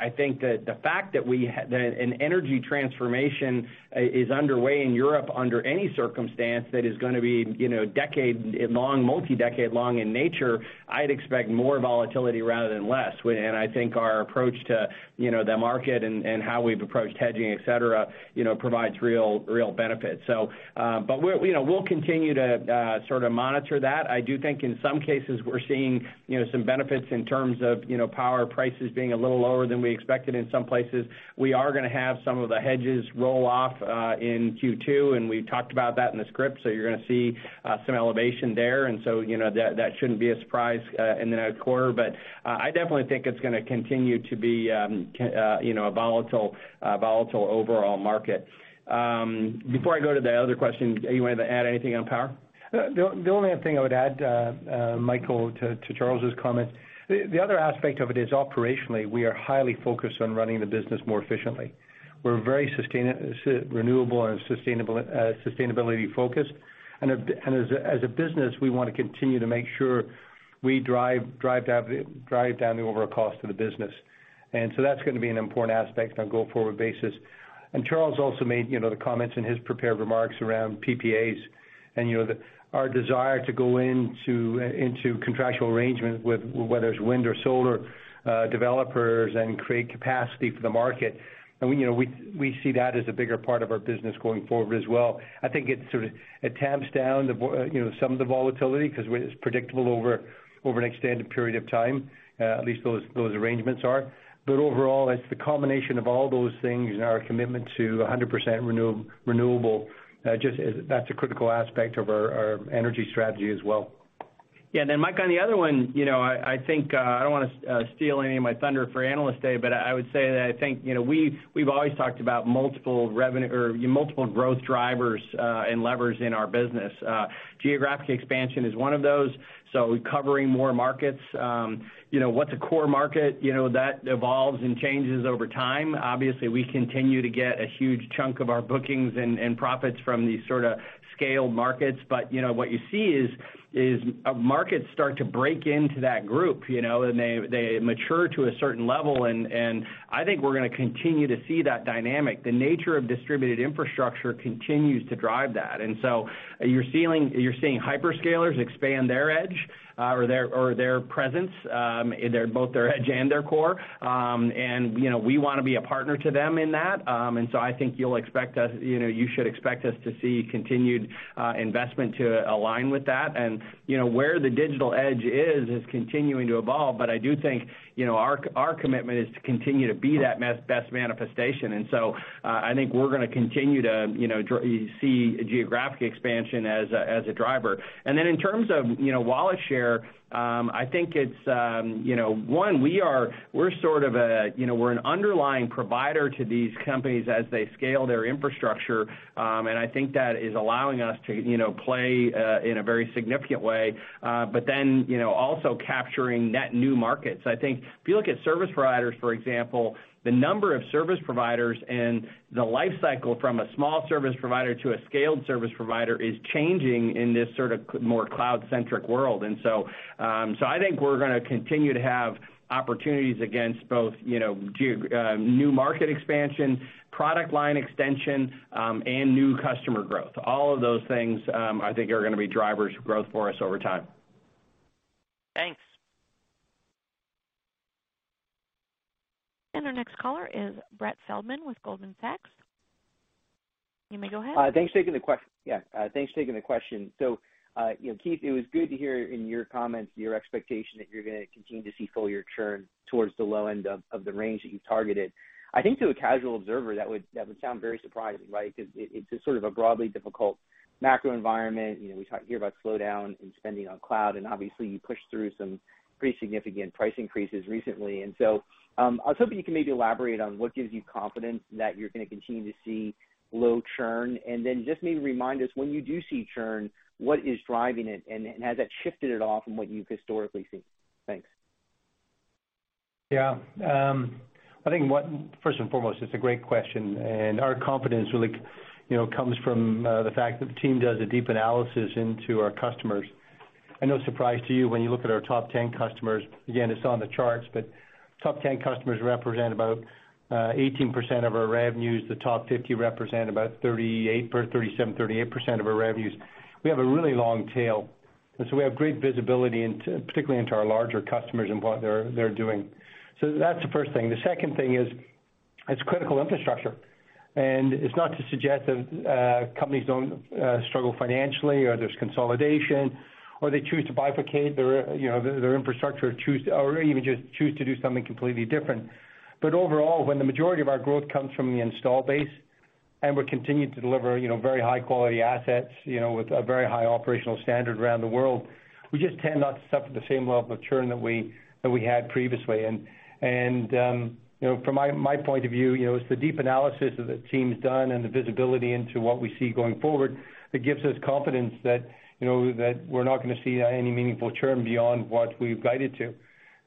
I think the fact that an energy transformation is underway in Europe under any circumstance that is gonna be, you know, decade long, multi-decade long in nature, I'd expect more volatility rather than less. I think our approach to, you know, the market and how we've approached hedging, et cetera, you know, provides real benefits. We're, you know, we'll continue to sort of monitor that. I do think in some cases we're seeing, you know, some benefits in terms of, you know, power prices being a little lower than we expected in some places. We are gonna have some of the hedges roll off in Q2, and we talked about that in the script, so you're gonna see some elevation there. You know, that shouldn't be a surprise in the quarter. I definitely think it's gonna continue to be, you know, a volatile volatile overall market. Before I go to the other question, you want to add anything on power? The only other thing I would add, Michael, to Charles's comment. The other aspect of it is operationally, we are highly focused on running the business more efficiently. We're very renewable and sustainable, sustainability focused. As a business, we want to continue to make sure we drive down the overall cost of the business. That's gonna be an important aspect on a go-forward basis. Charles also made, you know, the comments in his prepared remarks around PPAs and, you know, the, our desire to go into contractual arrangement with whether it's wind or solar developers and create capacity for the market. you know, we see that as a bigger part of our business going forward as well. I think it sort of, it tamps down the you know, some of the volatility 'cause it's predictable over an extended period of time, at least those arrangements are. Overall, it's the combination of all those things and our commitment to 100% renewable, just as that's a critical aspect of our energy strategy as well. Yeah. Mike, on the other one, you know, I think, I don't wanna steal any of my thunder for Analyst Day, but I would say that I think, you know, we've always talked about multiple revenue or multiple growth drivers and levers in our business. Geographic expansion is one of those, so covering more markets. You know, what's a core market? You know, that evolves and changes over time. Obviously, we continue to get a huge chunk of our bookings and profits from these sorta scaled markets. What you see is markets start to break into that group, you know, and they mature to a certain level, and I think we're gonna continue to see that dynamic. The nature of distributed infrastructure continues to drive that. You're seeing hyperscalers expand their edge, or their presence, in their, both their edge and their core. You know, we wanna be a partner to them in that. I think you'll expect us, you know, you should expect us to see continued investment to align with that. You know, where the digital edge is continuing to evolve. I do think, you know, our commitment is to continue to be that best manifestation. I think we're gonna continue to, you know, see geographic expansion as a, as a driver. Then in terms of, you know, wallet share, I think it's, you know, one, we are, we're sort of a, you know, we're an underlying provider to these companies as they scale their infrastructure, and I think that is allowing us to, you know, play in a very significant way, but then, you know, also capturing net new markets. I think if you look at service providers, for example, the number of service providers and the life cycle from a small service provider to a scaled service provider is changing in this sort of more cloud-centric world. I think we're gonna continue to have opportunities against both, you know, new market expansion, product line extension, and new customer growth. All of those things, I think are gonna be drivers of growth for us over time. Thanks. Our next caller is Brett Feldman with Goldman Sachs. You may go ahead. Thanks for taking the question. You know, Keith, it was good to hear in your comments your expectation that you're gonna continue to see full year churn towards the low end of the range that you targeted. I think to a casual observer, that would sound very surprising, right? 'Cause it's a sort of a broadly difficult macro environment. You know, we hear about slowdown in spending on cloud, obviously, you pushed through some pretty significant price increases recently. I was hoping you can maybe elaborate on what gives you confidence that you're gonna continue to see low churn. Then just maybe remind us, when you do see churn, what is driving it? Has that shifted at all from what you've historically seen? Thanks. First and foremost, it's a great question, and our confidence really, you know, comes from the fact that the team does a deep analysis into our customers. I know it's surprise to you when you look at our top 10 customers. Again, it's not on the charts, but top 10 customers represent about 18% of our revenues. The top 50 represent about 37%, 38% of our revenues. We have a really long tail, and so we have great visibility into, particularly into our larger customers and what they're doing. That's the first thing. The second thing is, it's critical infrastructure. It's not to suggest that companies don't struggle financially or there's consolidation, or they choose to bifurcate their, you know, their infrastructure or even just choose to do something completely different. Overall, when the majority of our growth comes from the install base, and we're continuing to deliver, you know, very high-quality assets, you know, with a very high operational standard around the world, we just tend not to suffer the same level of churn that we had previously. And, you know, from my point of view, you know, it's the deep analysis that the team's done and the visibility into what we see going forward that gives us confidence that, you know, that we're not gonna see any meaningful churn beyond what we've guided to.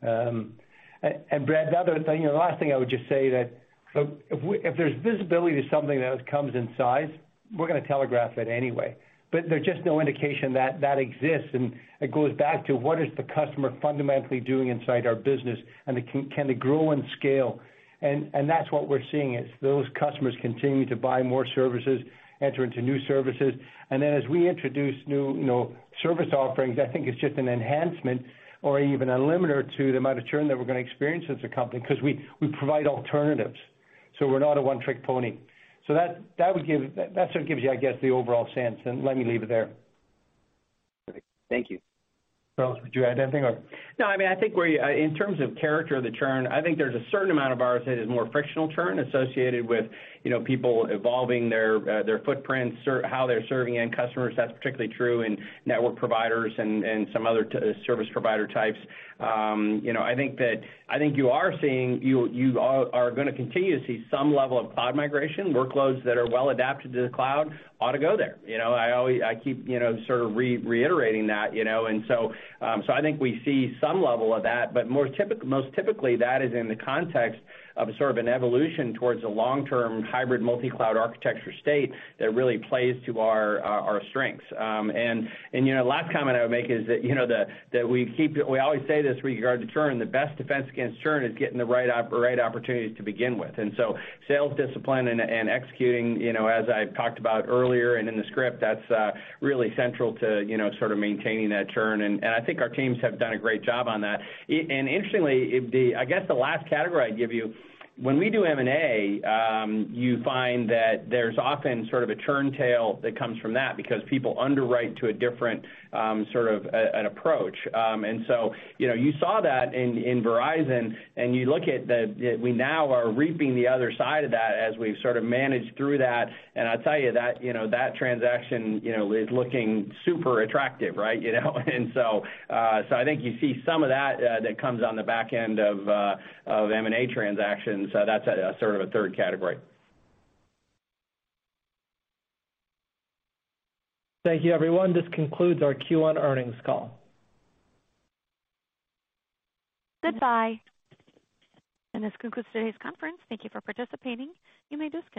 And Brett, the other thing, the last thing I would just say that if there's visibility to something that comes in size, we're gonna telegraph it anyway. There's just no indication that that exists, and it goes back to what is the customer fundamentally doing inside our business, and can it grow and scale? That's what we're seeing, is those customers continue to buy more services, enter into new services. Then as we introduce new, you know, service offerings, I think it's just an enhancement or even a limiter to the amount of churn that we're gonna experience as a company 'cause we provide alternatives, so we're not a one-trick pony. That's what gives you, I guess, the overall sense, and let me leave it there. Thank you. Charles, would you add anything or? No, I mean, I think we're in terms of character of the churn, I think there's a certain amount of ours that is more frictional churn associated with, you know, people evolving their footprints, how they're serving end customers. That's particularly true in network providers and some other service provider types. You know, I think that, I think you are seeing, you are gonna continue to see some level of cloud migration. Workloads that are well-adapted to the cloud ought to go there. You know, I keep, you know, sort of reiterating that, you know? So I think we see some level of that. Most typically, that is in the context of sort of an evolution towards a long-term hybrid multi-cloud architecture state that really plays to our strengths. You know, last comment I would make is that, you know, that we keep, we always say this regarding churn, the best defense against churn is getting the right opportunities to begin with. Sales discipline and executing, you know, as I've talked about earlier and in the script, that's really central to, you know, sort of maintaining that churn. I think our teams have done a great job on that. Interestingly, I guess the last category I'd give you, when we do M&A, you find that there's often sort of a churn tail that comes from that because people underwrite to a different sort of an approach. You know, you saw that in Verizon, and you look at the, we now are reaping the other side of that as we've sort of managed through that. I'll tell you that, you know, that transaction, you know, is looking super attractive, right? You know? I think you see some of that comes on the back end of M&A transactions. That's a, sort of a third category. Thank you, everyone. This concludes our Q1 Earnings Call. Goodbye. This concludes today's conference. Thank you for participating. You may disconnect.